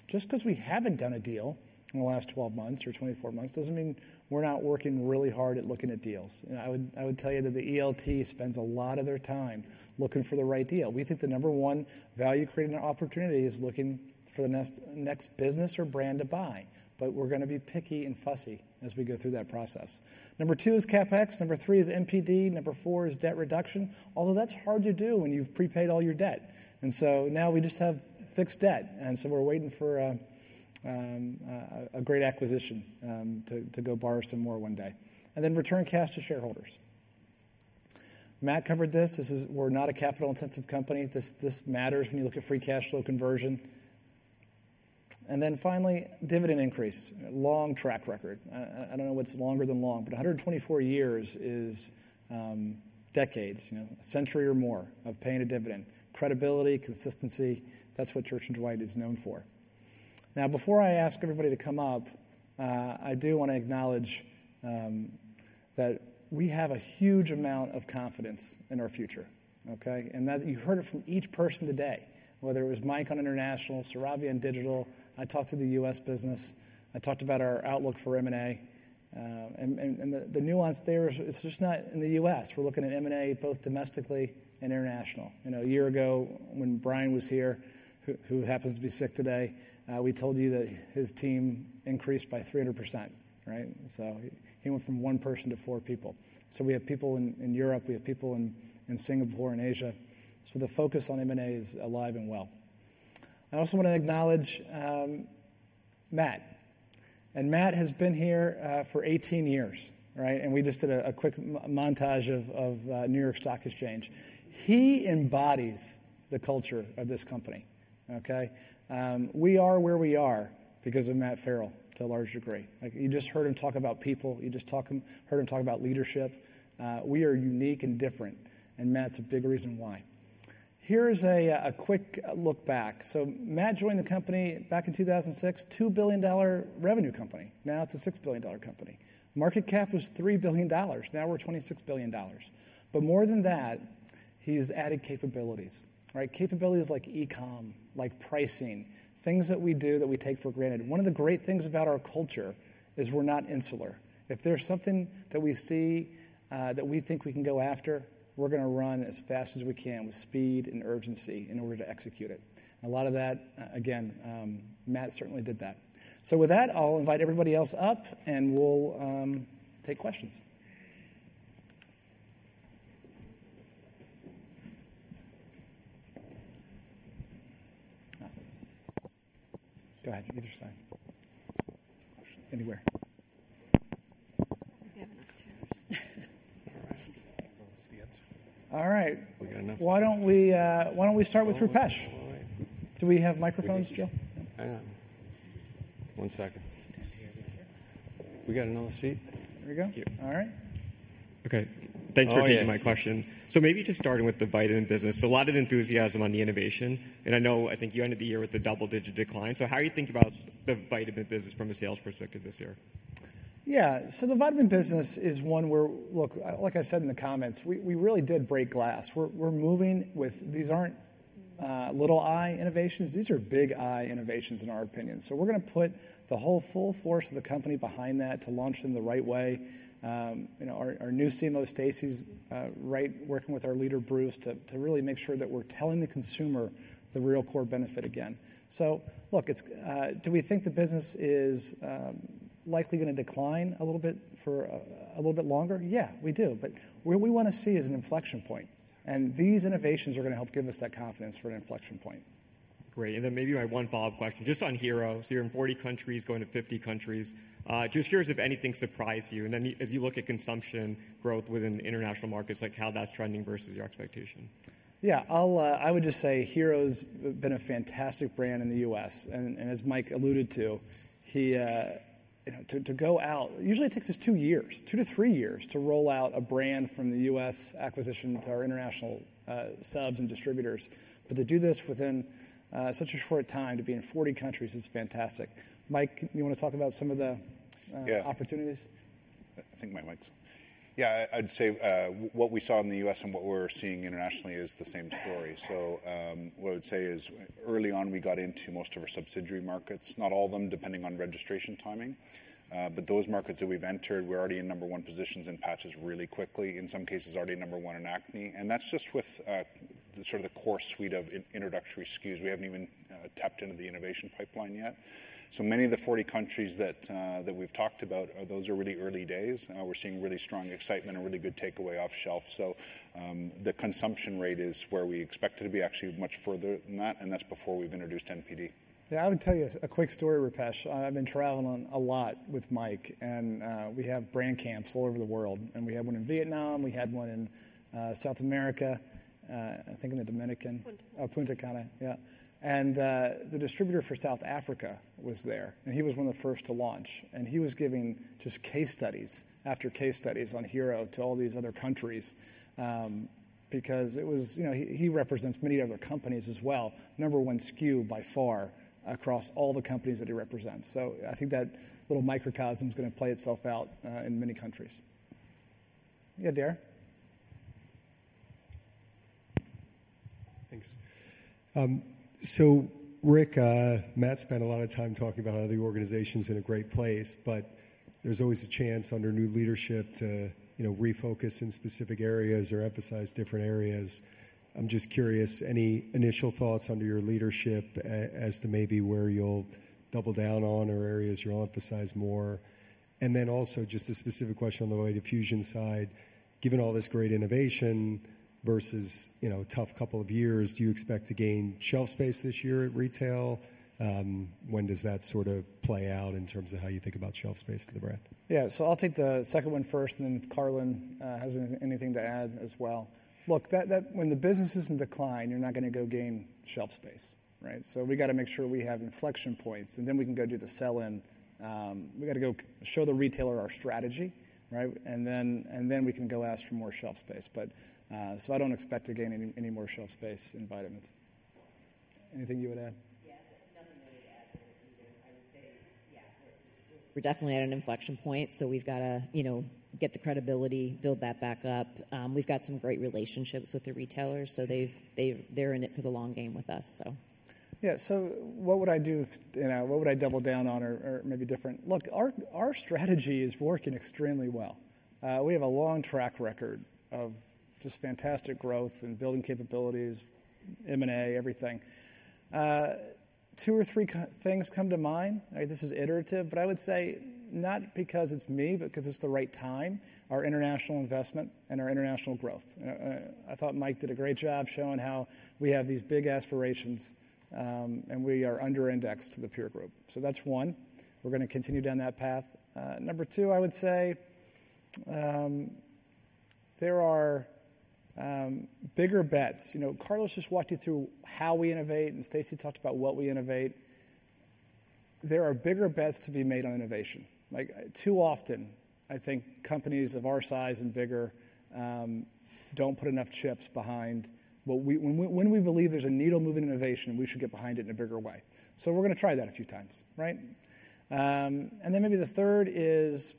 Just because we haven't done a deal in the last 12 months or 24 months doesn't mean we're not working really hard at looking at deals. I would tell you that the ELT spends a lot of their time looking for the right deal. We think the number one value-creating opportunity is looking for the next business or brand to buy. But we're going to be picky and fussy as we go through that process. Number two is CapEx. Number three is MPD. Number four is debt reduction. Although that's hard to do when you've prepaid all your debt. And so now we just have fixed debt. And so we're waiting for a great acquisition to go borrow some more one day. And then return cash to shareholders. Matt covered this. We're not a capital-intensive company. This matters when you look at free cash flow conversion. And then finally, dividend increase, long track record. I don't know what's longer than long, but 124 years is decades, a century or more of paying a dividend. Credibility, consistency, that's what Church & Dwight is known for. Now, before I ask everybody to come up, I do want to acknowledge that we have a huge amount of confidence in our future, okay? You heard it from each person today, whether it was Mike on International, Surabhi on Digital. I talked to the U.S. business. I talked about our outlook for M&A. The nuance there is it's just not in the U.S. We're looking at M&A both domestically and international. A year ago, when Brian was here, who happens to be sick today, we told you that his team increased by 300%, right? So he went from one person to four people. So we have people in Europe. We have people in Singapore and Asia. So the focus on M&A is alive and well. I also want to acknowledge Matt. And Matt has been here for 18 years, right? And we just did a quick montage of New York Stock Exchange. He embodies the culture of this company, okay? We are where we are because of Matt Ferrell to a large degree. You just heard him talk about people. You just heard him talk about leadership. We are unique and different. And Matt's a big reason why. Here's a quick look back. So Matt joined the company back in 2006, $2 billion revenue company. Now it's a $6 billion company. Market cap was $3 billion. Now we're $26 billion. But more than that, he's added capabilities, right? Capabilities like e-comm, like pricing, things that we do that we take for granted. One of the great things about our culture is we're not insular. If there's something that we see that we think we can go after, we're going to run as fast as we can with speed and urgency in order to execute it. A lot of that, again, Matt certainly did that. So with that, I'll invite everybody else up and we'll take questions. Go ahead, either side. Anywhere. All right. We got enough. Why don't we start with Rupesh? Do we have microphones, Jill? Hang on. One second. We got another seat? There we go. All right. Okay. Thanks for taking my question. So maybe just starting with the vitamin business. A lot of enthusiasm on the innovation. And I know I think you ended the year with the double-digit decline. So how do you think about the vitamin business from a sales perspective this year? Yeah. So the vitamin business is one where, look, like I said in the comments, we really did break glass. We're moving with these aren't little i innovations. These are big i innovations in our opinion. So we're going to put the whole full force of the company behind that to launch them the right way. Our new CMO, Stacey, is working with our leader, Bruno, to really make sure that we're telling the consumer the real core benefit again. So look, do we think the business is likely going to decline a little bit for a little bit longer? Yeah, we do. But what we want to see is an inflection point. And these innovations are going to help give us that confidence for an inflection point. Great. And then maybe my one follow-up question, just on Hero. So you're in 40 countries going to 50 countries. Just curious if anything surprised you, and then as you look at consumption growth within international markets, like how that's trending versus your expectation. Yeah, I would just say HERO's been a fantastic brand in the U.S. And as Mike alluded to, to go out, usually it takes us two years, two to three years to roll out a brand from the U.S. acquisition to our international subs and distributors. But to do this within such a short time to be in 40 countries is fantastic. Mike, you want to talk about some of the opportunities? I think Mike likes it. Yeah, I'd say what we saw in the U.S. and what we're seeing internationally is the same story, so what I would say is early on we got into most of our subsidiary markets, not all of them depending on registration timing. But those markets that we've entered, we're already in number one positions in patches really quickly. In some cases, already number one in acne. And that's just with sort of the core suite of introductory SKUs. We haven't even tapped into the innovation pipeline yet. So many of the 40 countries that we've talked about, those are really early days. We're seeing really strong excitement and really good takeaway off shelf. So the consumption rate is where we expect it to be actually much further than that. And that's before we've introduced MPD. Yeah, I would tell you a quick story, Rupesh. I've been traveling a lot with Mike. And we have brand camps all over the world. And we had one in Vietnam. We had one in South America. I think in the Dominican. Punta Cana. Yeah. And the distributor for South Africa was there. He was one of the first to launch. He was giving just case studies after case studies on Hero to all these other countries because he represents many other companies as well. Number one SKU by far across all the companies that he represents. I think that little microcosm is going to play itself out in many countries. Yeah, Dara? Thanks. Rick, Matt spent a lot of time talking about how the organization's in a great place, but there's always a chance under new leadership to refocus in specific areas or emphasize different areas. I'm just curious, any initial thoughts under your leadership as to maybe where you'll double down on or areas you'll emphasize more? And then also just a specific question on the Vitafusion side. Given all this great innovation versus a tough couple of years, do you expect to gain shelf space this year at retail? When does that sort of play out in terms of how you think about shelf space for the brand? Yeah, so I'll take the second one first. And then Carlen has anything to add as well. Look, when the business is in decline, you're not going to go gain shelf space, right? So we got to make sure we have inflection points. And then we can go do the sell-in. We got to go show the retailer our strategy, right? And then we can go ask for more shelf space. But so I don't expect to gain any more shelf space in vitamins. Anything you would add? Yeah, nothing really to add there either. I would say, yeah, we're definitely at an inflection point. So we've got to get the credibility, build that back up. We've got some great relationships with the retailers. So they're in it for the long game with us, so. Yeah, so what would I do? What would I double down on or maybe different? Look, our strategy is working extremely well. We have a long track record of just fantastic growth and building capabilities, M&A, everything. Two or three things come to mind. This is iterative, but I would say not because it's me, but because it's the right time, our international investment and our international growth. I thought Mike did a great job showing how we have these big aspirations and we are under-indexed to the peer group. So that's one. We're going to continue down that path. Number two, I would say there are bigger bets. Carlos just walked you through how we innovate, and Stacey talked about what we innovate. There are bigger bets to be made on innovation. Too often, I think companies of our size and bigger don't put enough chips behind what we believe there's a needle moving innovation, and we should get behind it in a bigger way, so we're going to try that a few times, right? And then maybe the third is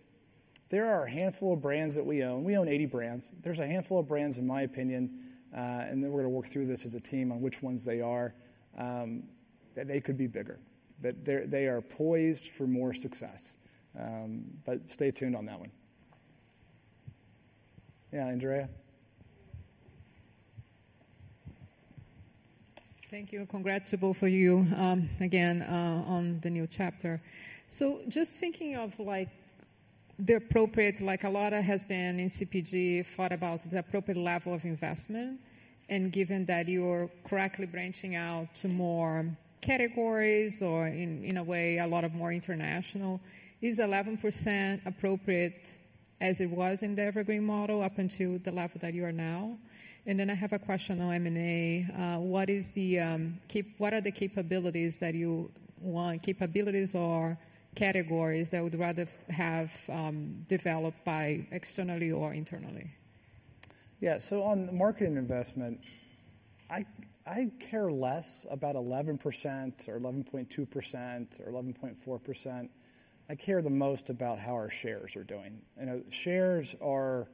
there are a handful of brands that we own. We own 80 brands. There's a handful of brands, in my opinion, and then we're going to work through this as a team on which ones they are, that they could be bigger, but they are poised for more success, but stay tuned on that one. Yeah, Andrea. Thank you. Congrats to both of you again on the new chapter. So, just thinking of the appropriate—like, a lot has been in CPG—thought about the appropriate level of investment. And given that you're correctly branching out to more categories or in a way a lot of more international, is 11% appropriate as it was in the evergreen model up until the level that you are now? And then I have a question on M&A. What are the capabilities that you want, capabilities or categories that would rather have developed by externally or internally? Yeah, so on marketing investment, I care less about 11% or 11.2% or 11.4%. I care the most about how our shares are doing. And shares are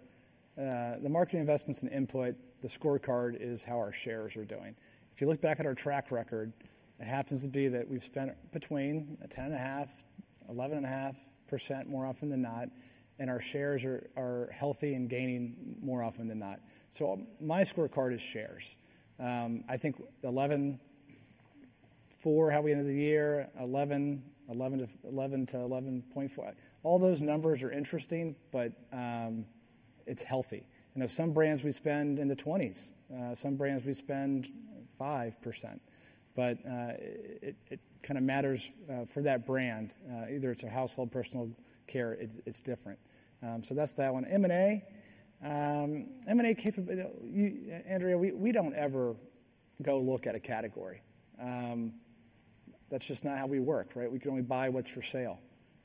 the marketing investments and input, the scorecard is how our shares are doing. If you look back at our track record, it happens to be that we've spent between 10.5%, 11.5% more often than not. Our shares are healthy and gaining more often than not. So my scorecard is shares. I think 11.4%, how we ended the year, 11.0%, 11.4%. All those numbers are interesting, but it's healthy. And there's some brands we spend in the 20s. Some brands we spend 5%. But it kind of matters for that brand. Either it's a household personal care, it's different. So that's that one. M&A, M&A capability, Andrea, we don't ever go look at a category. That's just not how we work, right? We can only buy what's for sale.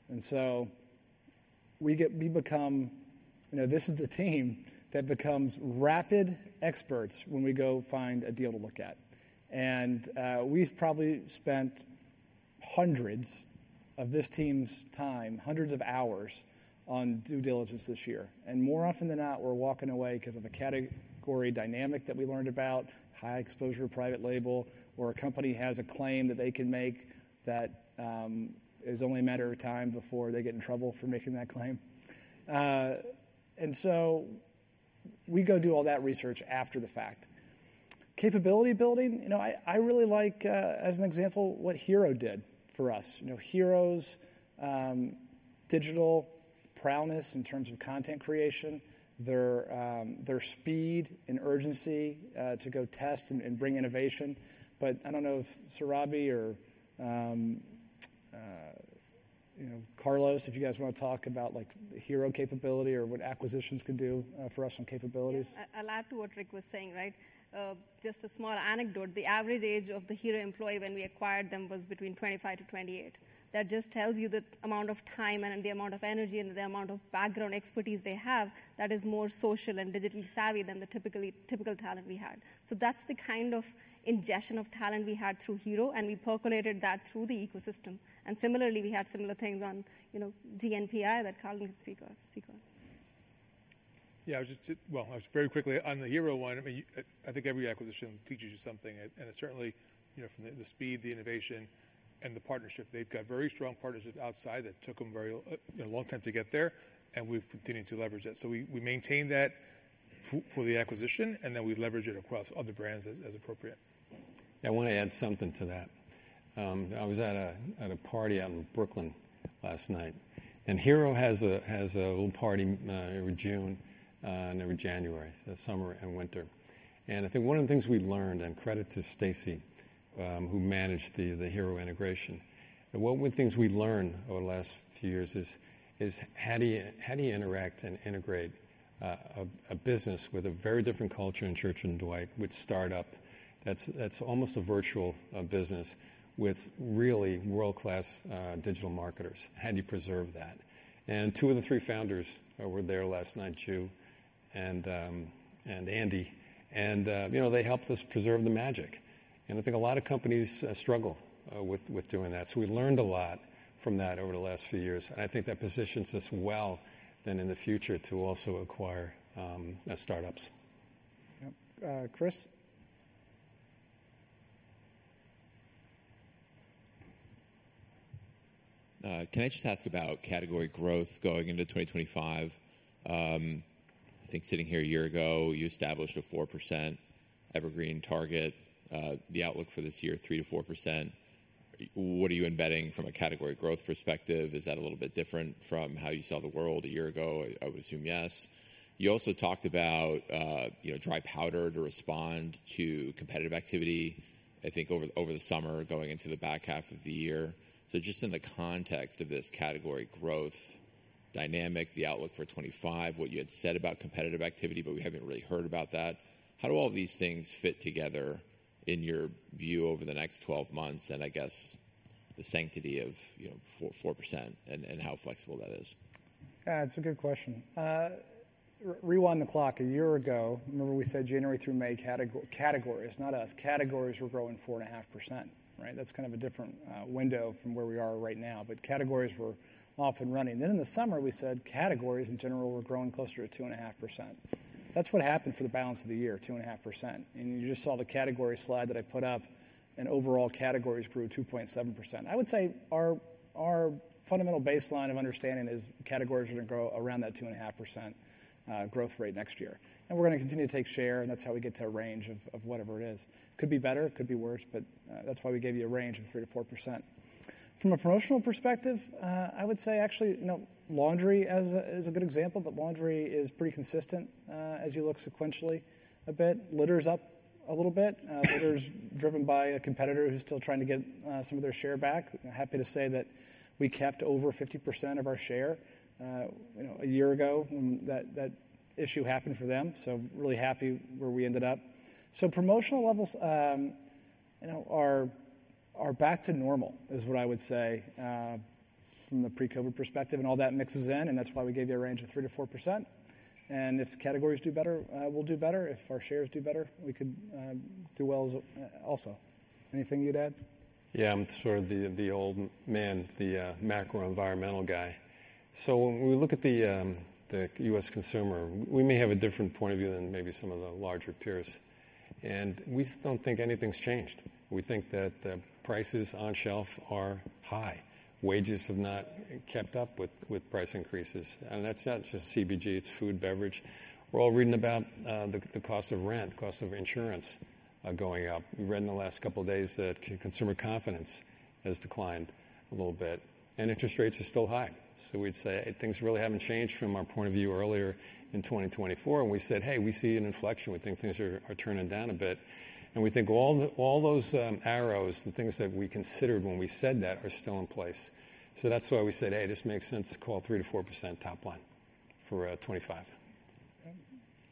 And so we become, this is the team that becomes rapid experts when we go find a deal to look at. And we've probably spent hundreds of this team's time, hundreds of hours on due diligence this year. More often than not, we're walking away because of a category dynamic that we learned about, high exposure private label, where a company has a claim that they can make that is only a matter of time before they get in trouble for making that claim. And so we go do all that research after the fact. Capability building, I really like, as an example, what HERO did for us. HERO's digital prowess in terms of content creation, their speed and urgency to go test and bring innovation. But I don't know if Surabhi or Carlos, if you guys want to talk about HERO capability or what acquisitions can do for us on capabilities. A lot to what Rick was saying, right? Just a small anecdote, the average age of the HERO employee when we acquired them was between 25-28. That just tells you the amount of time and the amount of energy and the amount of background expertise they have that is more social and digitally savvy than the typical talent we had. So that's the kind of ingestion of talent we had through HERO, and we percolated that through the ecosystem. And similarly, we had similar things on NPI that Carlen could speak on. Yeah, well, I was very quickly on the HERO one. I mean, I think every acquisition teaches you something. And it's certainly from the speed, the innovation, and the partnership. They've got very strong partnerships outside that took them a long time to get there. And we've continued to leverage that. So we maintain that for the acquisition, and then we leverage it across other brands as appropriate. Yeah, I want to add something to that. I was at a party out in Brooklyn last night. And Hero has a little party every June, every January, so summer and winter. And I think one of the things we learned, and credit to Stacey, who managed the Hero integration, one of the things we learned over the last few years is how do you interact and integrate a business with a very different culture than Church & Dwight, which is a startup that's almost a virtual business with really world-class digital marketers? How do you preserve that? And two of the three founders were there last night, Ju and Andy. And they helped us preserve the magic. And I think a lot of companies struggle with doing that. So we learned a lot from that over the last few years. And I think that positions us well then in the future to also acquire startups. Yep. Chris? Can I just ask about category growth going into 2025? I think sitting here a year ago, you established a 4% evergreen target. The outlook for this year, 3%-4%. What are you embedding from a category growth perspective? Is that a little bit different from how you saw the world a year ago? I would assume yes. You also talked about dry powder to respond to competitive activity, I think over the summer going into the back half of the year. So just in the context of this category growth dynamic, the outlook for 2025, what you had said about competitive activity, but we haven't really heard about that. How do all these things fit together in your view over the next 12 months and I guess the sanctity of 4% and how flexible that is? Yeah, it's a good question. Rewind the clock. A year ago, remember we said January through May categories, not us, categories were growing 4.5%, right? That's kind of a different window from where we are right now. But categories were off and running. Then in the summer, we said categories in general were growing closer to 2.5%. That's what happened for the balance of the year, 2.5%. And you just saw the category slide that I put up, and overall categories grew 2.7%. I would say our fundamental baseline of understanding is categories are going to grow around that 2.5% growth rate next year. And we're going to continue to take share, and that's how we get to a range of whatever it is. Could be better, could be worse, but that's why we gave you a range of 3% to 4%. From a promotional perspective, I would say actually laundry is a good example, but laundry is pretty consistent as you look sequentially a bit. Litter is up a little bit. Litter is driven by a competitor who's still trying to get some of their share back. Happy to say that we captured over 50% of our share a year ago when that issue happened for them. So really happy where we ended up, so promotional levels are back to normal is what I would say from the pre-COVID perspective, and all that mixes in, and that's why we gave you a range of 3%-4%. And if categories do better, we'll do better. If our shares do better, we could do well also. Anything you'd add? Yeah, I'm sort of the old man, the macro-environmental guy. So when we look at the U.S. Consumer, we may have a different point of view than maybe some of the larger peers, and we just don't think anything's changed. We think that the prices on shelf are high. Wages have not kept up with price increases, and that's not just CPG, it's food, beverage. We're all reading about the cost of rent, cost of insurance going up. We read in the last couple of days that consumer confidence has declined a little bit, and interest rates are still high. So we'd say things really haven't changed from our point of view earlier in 2024, and we said, hey, we see an inflection. We think things are turning down a bit, and we think all those arrows, the things that we considered when we said that are still in place. So that's why we said, hey, this makes sense to call 3%-4% top line for 2025.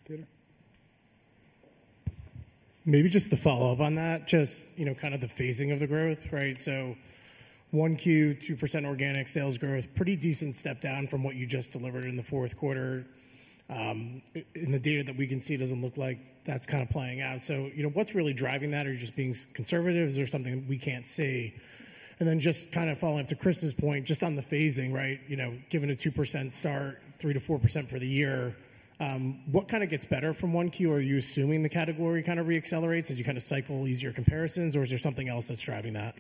Peter? Maybe just to follow up on that, just kind of the phasing of the growth, right? So one Q, 2% organic sales growth, pretty decent step down from what you just delivered in the fourth quarter. In the data that we can see, it doesn't look like that's kind of playing out. So what's really driving that? Are you just being conservative? Is there something we can't see? And then just kind of following up to Chris's point, just on the phasing, right? Given a 2% start, 3%-4% for the year, what kind of gets better from one Q? Are you assuming the category kind of reaccelerates? Did you kind of cycle easier comparisons? Or is there something else that's driving that?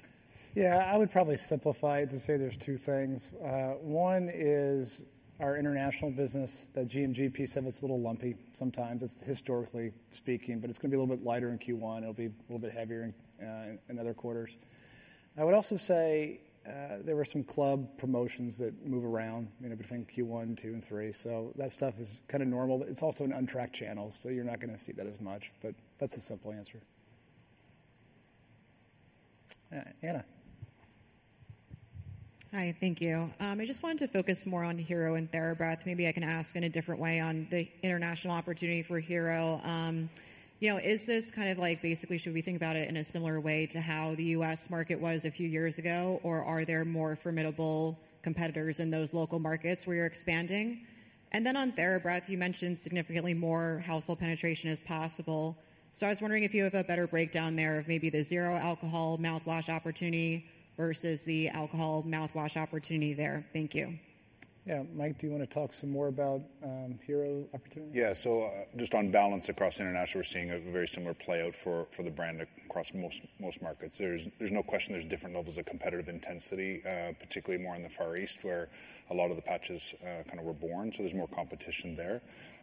Yeah, I would probably simplify it to say there's two things. One is our international business, the GMG piece of it's a little lumpy sometimes. It's historically speaking, but it's going to be a little bit lighter in Q1. It'll be a little bit heavier in other quarters. I would also say there were some club promotions that move around between Q1, Q2, and Q3. So that stuff is kind of normal, but it's also an untracked channel. So you're not going to see that as much, but that's a simple answer. Anna. Hi, thank you. I just wanted to focus more on HERO and TheraBreath. Maybe I can ask in a different way on the international opportunity for HERO. Is this kind of like basically should we think about it in a similar way to how the U.S. market was a few years ago? Or are there more formidable competitors in those local markets where you're expanding? And then on TheraBreath, you mentioned significantly more household penetration as possible. So I was wondering if you have a better breakdown there of maybe the zero alcohol mouthwash opportunity versus the alcohol mouthwash opportunity there. Thank you. Yeah, Mike, do you want to talk some more about HERO opportunity? Yeah, so just on balance across international, we're seeing a very similar playout for the brand across most markets. There's no question there's different levels of competitive intensity, particularly more in the Far East where a lot of the patches kind of were born. So there's more competition there.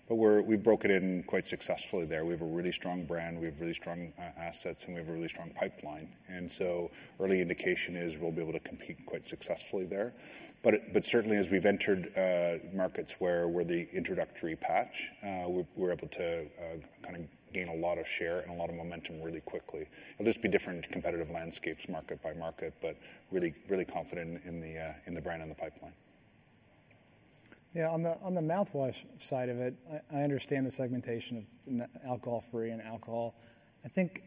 But we broke it in quite successfully there. We have a really strong brand. We have really strong assets, and we have a really strong pipeline. And so early indication is we'll be able to compete quite successfully there. But certainly, as we've entered markets where we're the introductory patch, we're able to kind of gain a lot of share and a lot of momentum really quickly. It'll just be different competitive landscapes market by market, but really confident in the brand and the pipeline. Yeah, on the mouthwash side of it, I understand the segmentation of alcohol-free and alcohol. I think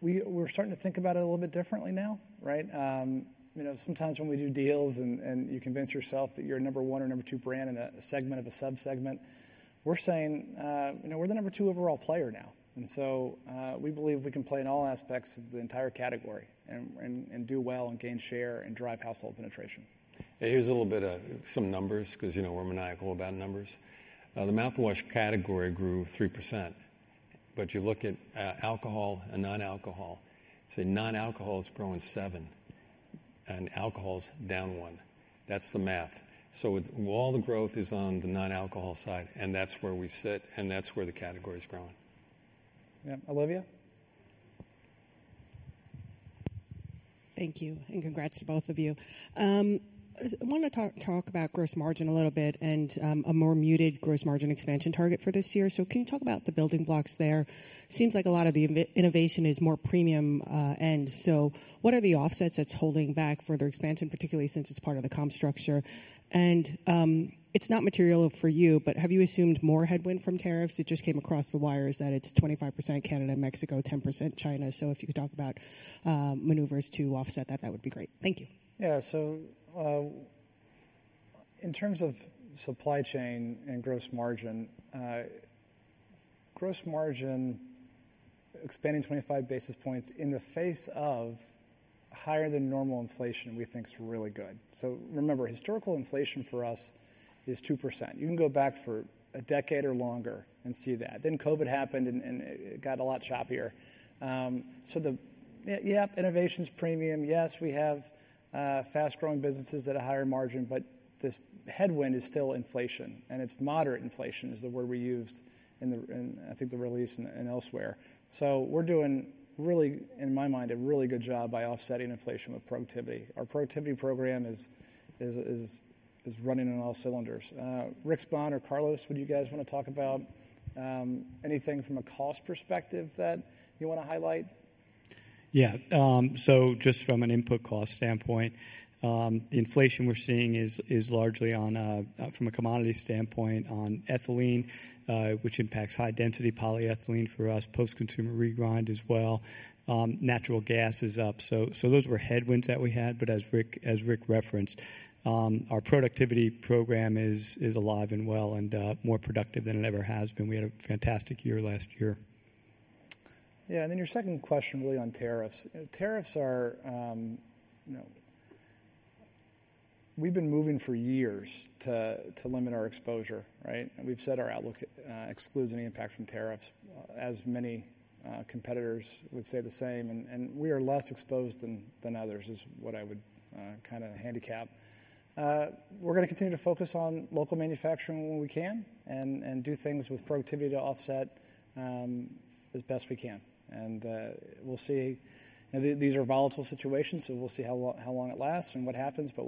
we're starting to think about it a little bit differently now, right? Sometimes when we do deals and you convince yourself that you're number one or number two brand in a segment of a subsegment, we're saying we're the number two overall player now. And so we believe we can play in all aspects of the entire category and do well and gain share and drive household penetration. Here's a little bit of some numbers because we're maniacal about numbers. The mouthwash category grew 3%. But you look at alcohol and non-alcohol, say non-alcohol is growing 7% and alcohol's down 1%. That's the math. So all the growth is on the non-alcohol side, and that's where we sit, and that's where the category is growing. Yeah, Olivia? Thank you and congrats to both of you. I want to talk about gross margin a little bit and a more muted gross margin expansion target for this year, so can you talk about the building blocks there? Seems like a lot of the innovation is more premium end. What are the offsets that's holding back further expansion, particularly since it's part of the comp structure? And it's not material for you, but have you assumed more headwind from tariffs? It just came across the wires that it's 25% Canada, Mexico, 10% China. So if you could talk about maneuvers to offset that, that would be great. Thank you. Yeah, so in terms of supply chain and gross margin, gross margin expanding 25 basis points in the face of higher than normal inflation, we think is really good. So remember, historical inflation for us is 2%. You can go back for a decade or longer and see that. Then COVID happened and it got a lot choppier. So the, yeah, innovation's premium. Yes, we have fast-growing businesses that are higher margin, but this headwind is still inflation. And it's moderate inflation is the word we used in, I think, the release and elsewhere. So we're doing really, in my mind, a really good job by offsetting inflation with productivity. Our productivity program is running on all cylinders. Rick or Carlos, would you guys want to talk about anything from a cost perspective that you want to highlight? Yeah, so just from an input cost standpoint, the inflation we're seeing is largely from a commodity standpoint on ethylene, which impacts high-density polyethylene for us, post-consumer regrind as well. Natural gas is up. So those were headwinds that we had. But as Rick referenced, our productivity program is alive and well and more productive than it ever has been. We had a fantastic year last year. Yeah, and then your second question really on tariffs. Tariffs are, we've been moving for years to limit our exposure, right? We've said our outlook excludes any impact from tariffs, as many competitors would say the same. And we are less exposed than others is what I would kind of handicap. We're going to continue to focus on local manufacturing when we can and do things with productivity to offset as best we can, and we'll see. These are volatile situations, so we'll see how long it lasts and what happens, but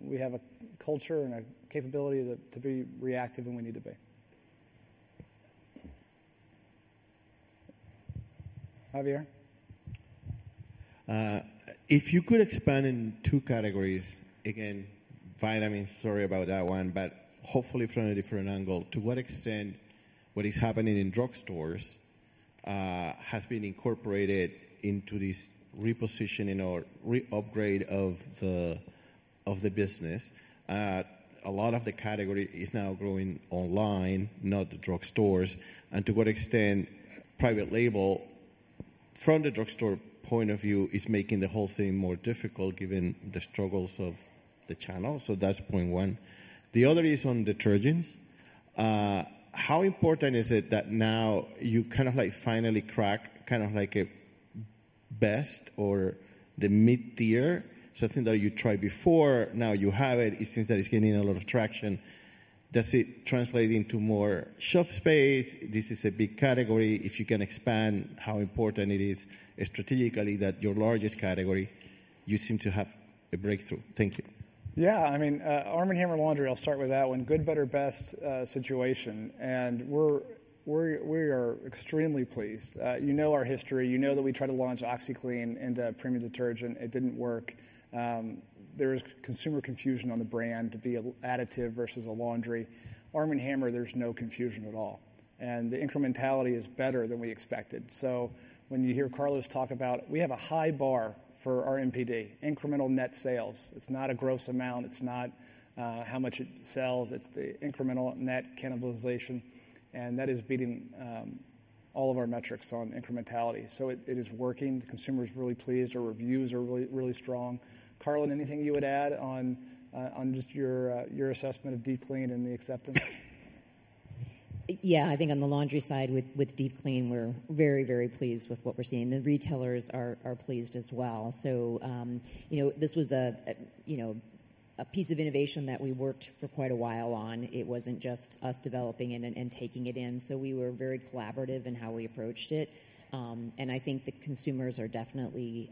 we have a culture and a capability to be reactive when we need to be. Javier? If you could expand in two categories, again, fine. I mean, sorry about that one, but hopefully from a different angle, to what extent what is happening in drugstores has been incorporated into this repositioning or re-upgrade of the business. A lot of the category is now growing online, not the drugstores, and to what extent private label from the drugstore point of view is making the whole thing more difficult given the struggles of the channel. So that's point one. The other is on detergents. How important is it that now you kind of like finally crack kind of like a best or the mid-tier? Something that you tried before, now you have it. It seems that it's gaining a lot of traction. Does it translate into more shelf space? This is a big category. If you can expand how important it is strategically that your largest category, you seem to have a breakthrough. Thank you. Yeah, I mean, Arm & Hammer Laundry, I'll start with that one. Good, better, best situation. And we are extremely pleased. You know our history. You know that we tried to launch OxiClean and a premium detergent. It didn't work. There is consumer confusion on the brand to be an additive versus a laundry. Arm & Hammer, there's no confusion at all. And the incrementality is better than we expected. When you hear Carlos talk about, we have a high bar for R&D, incremental net sales. It's not a gross amount. It's not how much it sells. It's the incremental net cannibalization. And that is beating all of our metrics on incrementality, so it is working. The consumer is really pleased. Our reviews are really strong. Carlos, anything you would add on just your assessment of Deep Clean and the acceptance? Yeah, I think on the laundry side with Deep Clean, we're very, very pleased with what we're seeing. The retailers are pleased as well, so this was a piece of innovation that we worked for quite a while on. It wasn't just us developing it and taking it in, so we were very collaborative in how we approached it. I think the consumers are definitely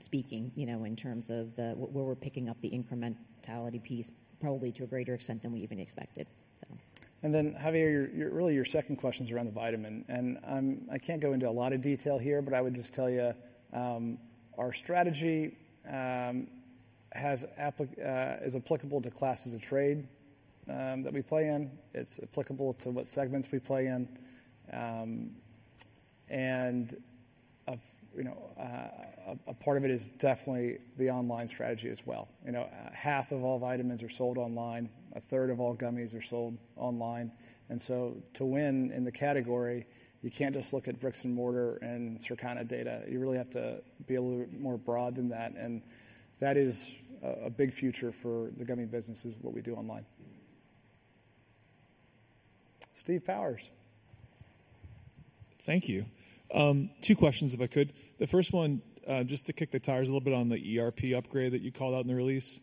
speaking in terms of where we're picking up the incrementality piece, probably to a greater extent than we even expected. And then, Javier, really your second question is around the vitamin. And I can't go into a lot of detail here, but I would just tell you our strategy is applicable to classes of trade that we play in. It's applicable to what segments we play in. And a part of it is definitely the online strategy as well. Half of all vitamins are sold online. A third of all gummies are sold online. And so to win in the category, you can't just look at bricks and mortar and Circana data. You really have to be a little more broad than that. And that is a big future for the gummy businesses, what we do online. Steve Powers. Thank you. Two questions, if I could. The first one, just to kick the tires a little bit on the ERP upgrade that you called out in the release.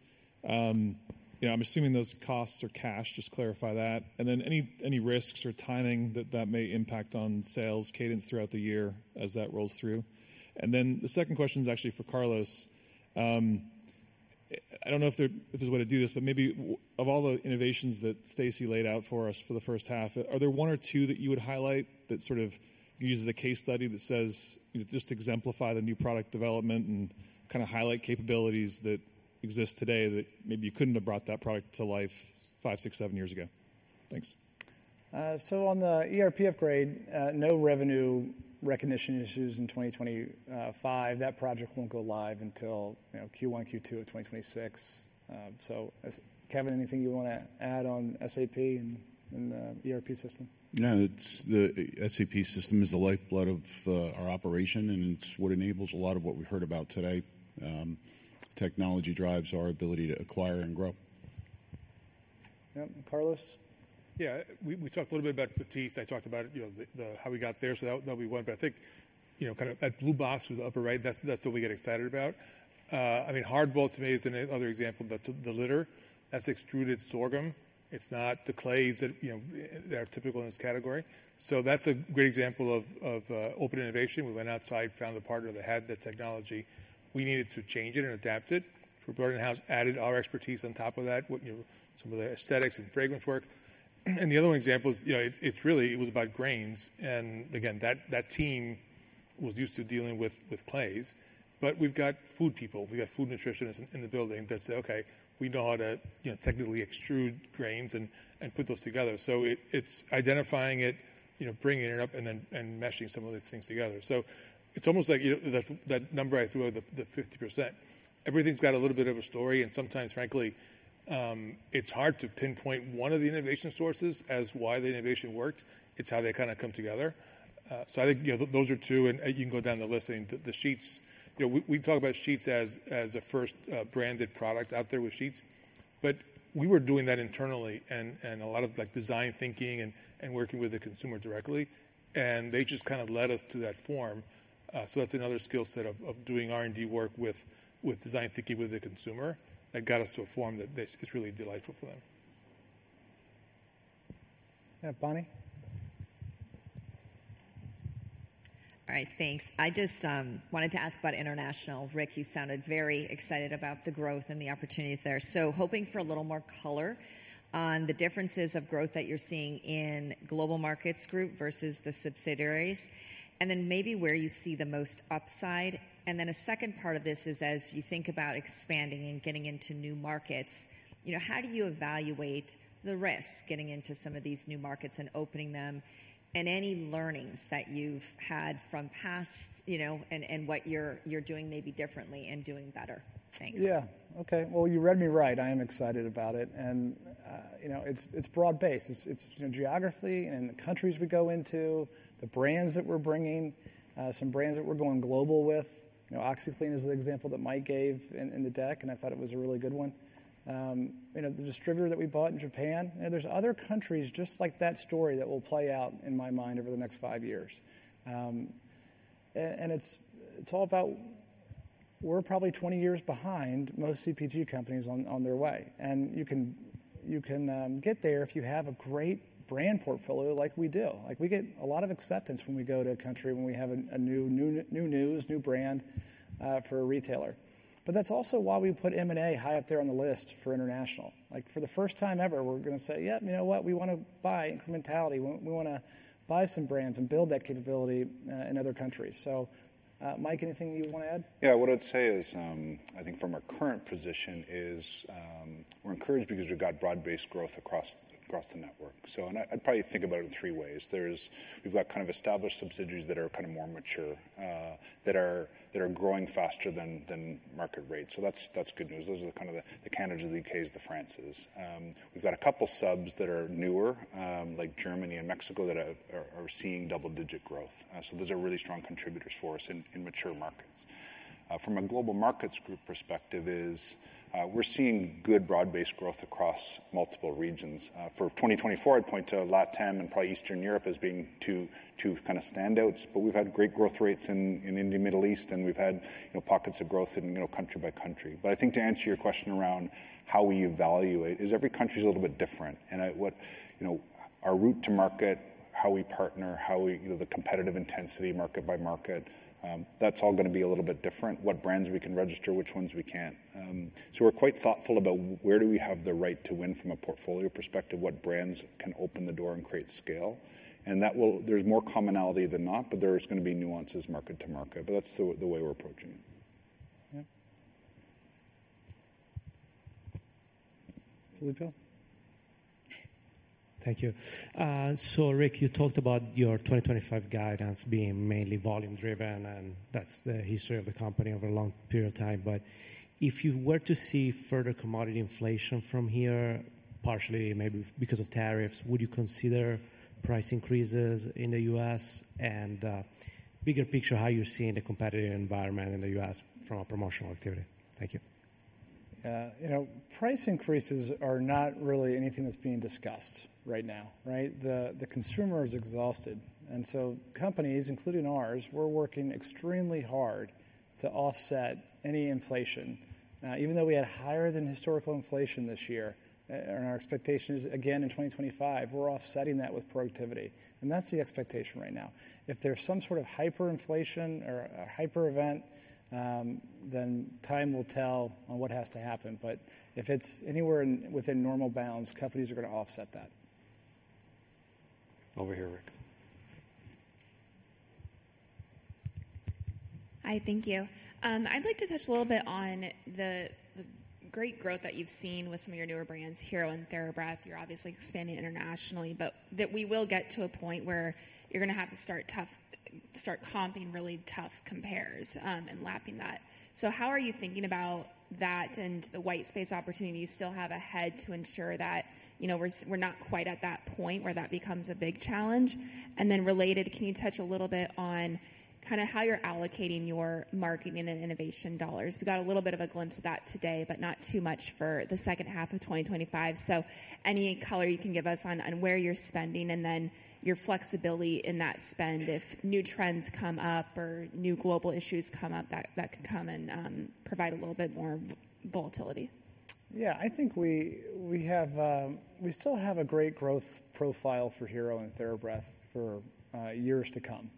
I'm assuming those costs are cash. Just clarify that. And then any risks or timing that that may impact on sales cadence throughout the year as that rolls through. And then the second question is actually for Carlos. I don't know if there's a way to do this, but maybe of all the innovations that Stacey laid out for us for the first half, are there one or two that you would highlight that sort of use the case study that says just exemplify the new product development and kind of highlight capabilities that exist today that maybe you couldn't have brought that product to life five, six, seven years ago? Thanks. So on the ERP upgrade, no revenue recognition issues in 2025. That project won't go live until Q1, Q2 of 2026. So Kevin, anything you want to add on SAP and the ERP system? Yeah, the SAP system is the lifeblood of our operation, and it's what enables a lot of what we heard about today. Technology drives our ability to acquire and grow. Yep, Carlos? Yeah, we talked a little bit about Batiste. I talked about how we got there. So that'll be one. But I think kind of that Blue Box with the upper right, that's what we get excited about. I mean, Hardball to me is another example, but the litter, that's extruded sorghum. It's not the clays that are typical in this category. So that's a great example of open innovation. We went outside, found the partner that had the technology. We needed to change it and adapt it. So we brought in-house, added our expertise on top of that, some of the aesthetics and fragrance work. And the other example is it's really, it was about grains. And again, that team was used to dealing with clays. But we've got food people. We've got food nutritionists in the building that say, "Okay, we know how to technically extrude grains and put those together." So it's identifying it, bringing it up, and then meshing some of these things together. So it's almost like that number I threw out, the 50%. Everything's got a little bit of a story. And sometimes, frankly, it's hard to pinpoint one of the innovation sources as why the innovation worked. It's how they kind of come together. So I think those are two. And you can go down the list. I think the sheets. We talk about sheets as a first branded product out there with sheets. But we were doing that internally and a lot of design thinking and working with the consumer directly. And they just kind of led us to that form. So that's another skill set of doing R&D work with design thinking with the consumer that got us to a form that is really delightful for them. Yeah, Bonnie? All right, thanks. I just wanted to ask about international. Rick, you sounded very excited about the growth and the opportunities there. So hoping for a little more color on the differences of growth that you're seeing in global markets group versus the subsidiaries. And then maybe where you see the most upside. Then a second part of this is as you think about expanding and getting into new markets, how do you evaluate the risk getting into some of these new markets and opening them and any learnings that you've had from past and what you're doing maybe differently and doing better? Thanks. Yeah, okay. Well, you read me right. I am excited about it. And it's broad-based. It's geography and the countries we go into, the brands that we're bringing, some brands that we're going global with. OxiClean is the example that Mike gave in the deck, and I thought it was a really good one. The distributor that we bought in Japan, there's other countries just like that story that will play out in my mind over the next five years. And it's all about we're probably 20 years behind most CPG companies on their way. And you can get there if you have a great brand portfolio like we do. We get a lot of acceptance when we go to a country when we have a new news, new brand for a retailer. But that's also why we put M&A high up there on the list for international. For the first time ever, we're going to say, "Yep, you know what? We want to buy incrementality. We want to buy some brands and build that capability in other countries." So Mike, anything you want to add? Yeah, what I'd say is, I think from our current position, we're encouraged because we've got broad-based growth across the network. So I'd probably think about it in three ways. We've got kind of established subsidiaries that are kind of more mature, that are growing faster than market rate. So that's good news. Those are kind of the Canada's, the U.K.'s, the France's. We've got a couple of subs that are newer, like Germany and Mexico, that are seeing double-digit growth. So those are really strong contributors for us in mature markets. From a global markets group perspective, we're seeing good broad-based growth across multiple regions. For 2024, I'd point to Latin and probably Eastern Europe as being two kind of standouts. But we've had great growth rates in India, Middle East, and we've had pockets of growth in country by country. But I think to answer your question around how we evaluate, every country is a little bit different. Our route to market, how we partner, the competitive intensity market by market, that's all going to be a little bit different. What brands we can register, which ones we can't. So we're quite thoughtful about where do we have the right to win from a portfolio perspective, what brands can open the door and create scale. And there's more commonality than not, but there's going to be nuances market to market. But that's the way we're approaching it. Yeah. Julio? Thank you. So Rick, you talked about your 2025 guidance being mainly volume-driven, and that's the history of the company over a long period of time. But if you were to see further commodity inflation from here, partially maybe because of tariffs, would you consider price increases in the U.S. and bigger picture how you're seeing the competitive environment in the U.S. from a promotional activity? Thank you. Price increases are not really anything that's being discussed right now, right? The consumer is exhausted. And so companies, including ours, we're working extremely hard to offset any inflation. Even though we had higher than historical inflation this year, and our expectation is again in 2025, we're offsetting that with productivity, and that's the expectation right now. If there's some sort of hyperinflation or hyper event, then time will tell on what has to happen. But if it's anywhere within normal bounds, companies are going to offset that. Over here, Rick. Hi, thank you. I'd like to touch a little bit on the great growth that you've seen with some of your newer brands, Hero and TheraBreath. You're obviously expanding internationally, but that we will get to a point where you're going to have to start comping really tough compares and lapping that. So how are you thinking about that and the white space opportunity you still have ahead to ensure that we're not quite at that point where that becomes a big challenge? And then, related, can you touch a little bit on kind of how you're allocating your marketing and innovation dollars? We got a little bit of a glimpse of that today, but not too much for the second half of 2025. So any color you can give us on where you're spending and then your flexibility in that spend if new trends come up or new global issues come up that could come and provide a little bit more volatility. Yeah, I think we still have a great growth profile for Hero and TheraBreath for years to come.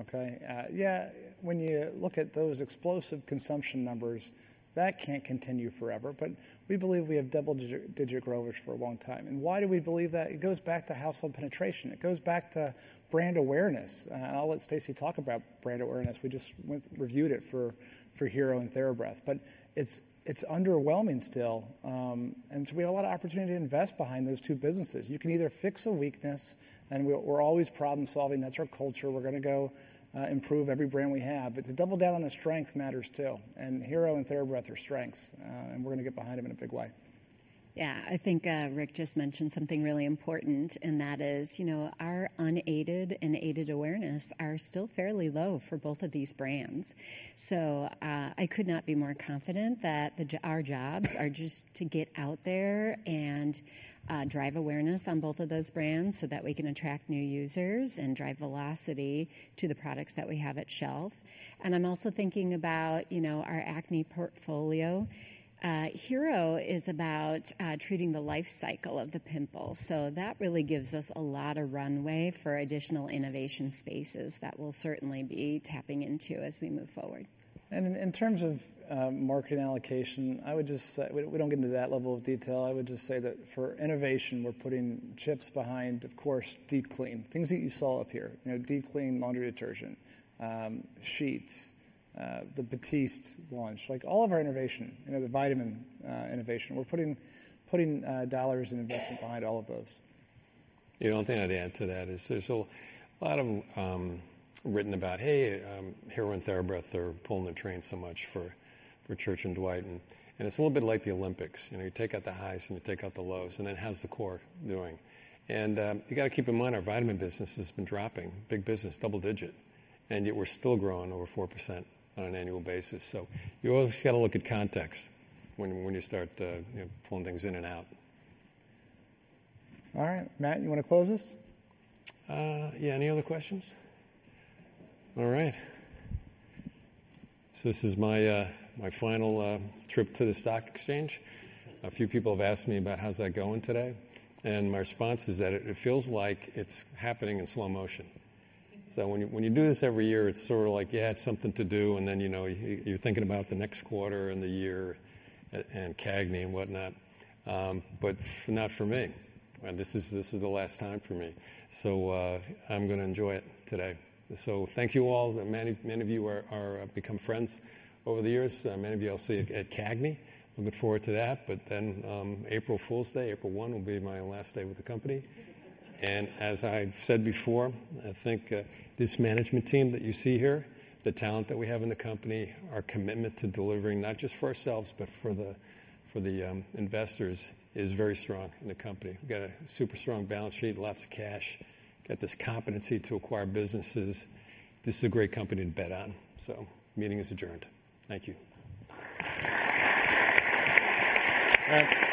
Okay? Yeah, when you look at those explosive consumption numbers, that can't continue forever. We believe we have double-digit growers for a long time. Why do we believe that? It goes back to household penetration. It goes back to brand awareness. I'll let Stacey talk about brand awareness. We just reviewed it for Hero and TheraBreath, but it's underwhelming still, and so we have a lot of opportunity to invest behind those two businesses. You can either fix a weakness, and we're always problem-solving. That's our culture. We're going to go improve every brand we have, but to double down on the strength matters too. And Hero and TheraBreath are strengths, and we're going to get behind them in a big way. Yeah, I think Rick just mentioned something really important, and that is our unaided and aided awareness are still fairly low for both of these brands. So I could not be more confident that our jobs are just to get out there and drive awareness on both of those brands so that we can attract new users and drive velocity to the products that we have at shelf. And I'm also thinking about our acne portfolio. Hero is about treating the life cycle of the pimple, so that really gives us a lot of runway for additional innovation spaces that we'll certainly be tapping into as we move forward, and in terms of market allocation, I would just say we don't get into that level of detail. I would just say that for innovation, we're putting chips behind, of course, deep clean, things that you saw up here, deep clean laundry detergent, sheets, the Batiste launch, like all of our innovation, the vitamin innovation. We're putting dollars and investment behind all of those. Yeah, one thing I'd add to that is there's a lot of written about, "Hey, Hero and TheraBreath are pulling the train so much for Church & Dwight," and it's a little bit like the Olympics. You take out the highs and you take out the lows, and then how's the core doing? And you got to keep in mind our vitamin business has been dropping, big business, double-digit. And yet we're still growing over 4% on an annual basis. So you always got to look at context when you start pulling things in and out. All right, Matt, you want to close this? Yeah, any other questions? All right. So this is my final trip to the stock exchange. A few people have asked me about how's that going today. And my response is that it feels like it's happening in slow motion. So when you do this every year, it's sort of like, yeah, it's something to do. And then you're thinking about the next quarter and the year and CAGR and whatnot. But not for me. This is the last time for me. So I'm going to enjoy it today. So thank you all. Many of you have become friends over the years. Many of you I'll see at CAGNY. I'm looking forward to that. But then April Fool's Day, April 1 will be my last day with the company. And as I've said before, I think this management team that you see here, the talent that we have in the company, our commitment to delivering not just for ourselves, but for the investors is very strong in the company. We've got a super strong balance sheet, lots of cash, got this competency to acquire businesses. This is a great company to bet on. So meeting is adjourned. Thank you. All right.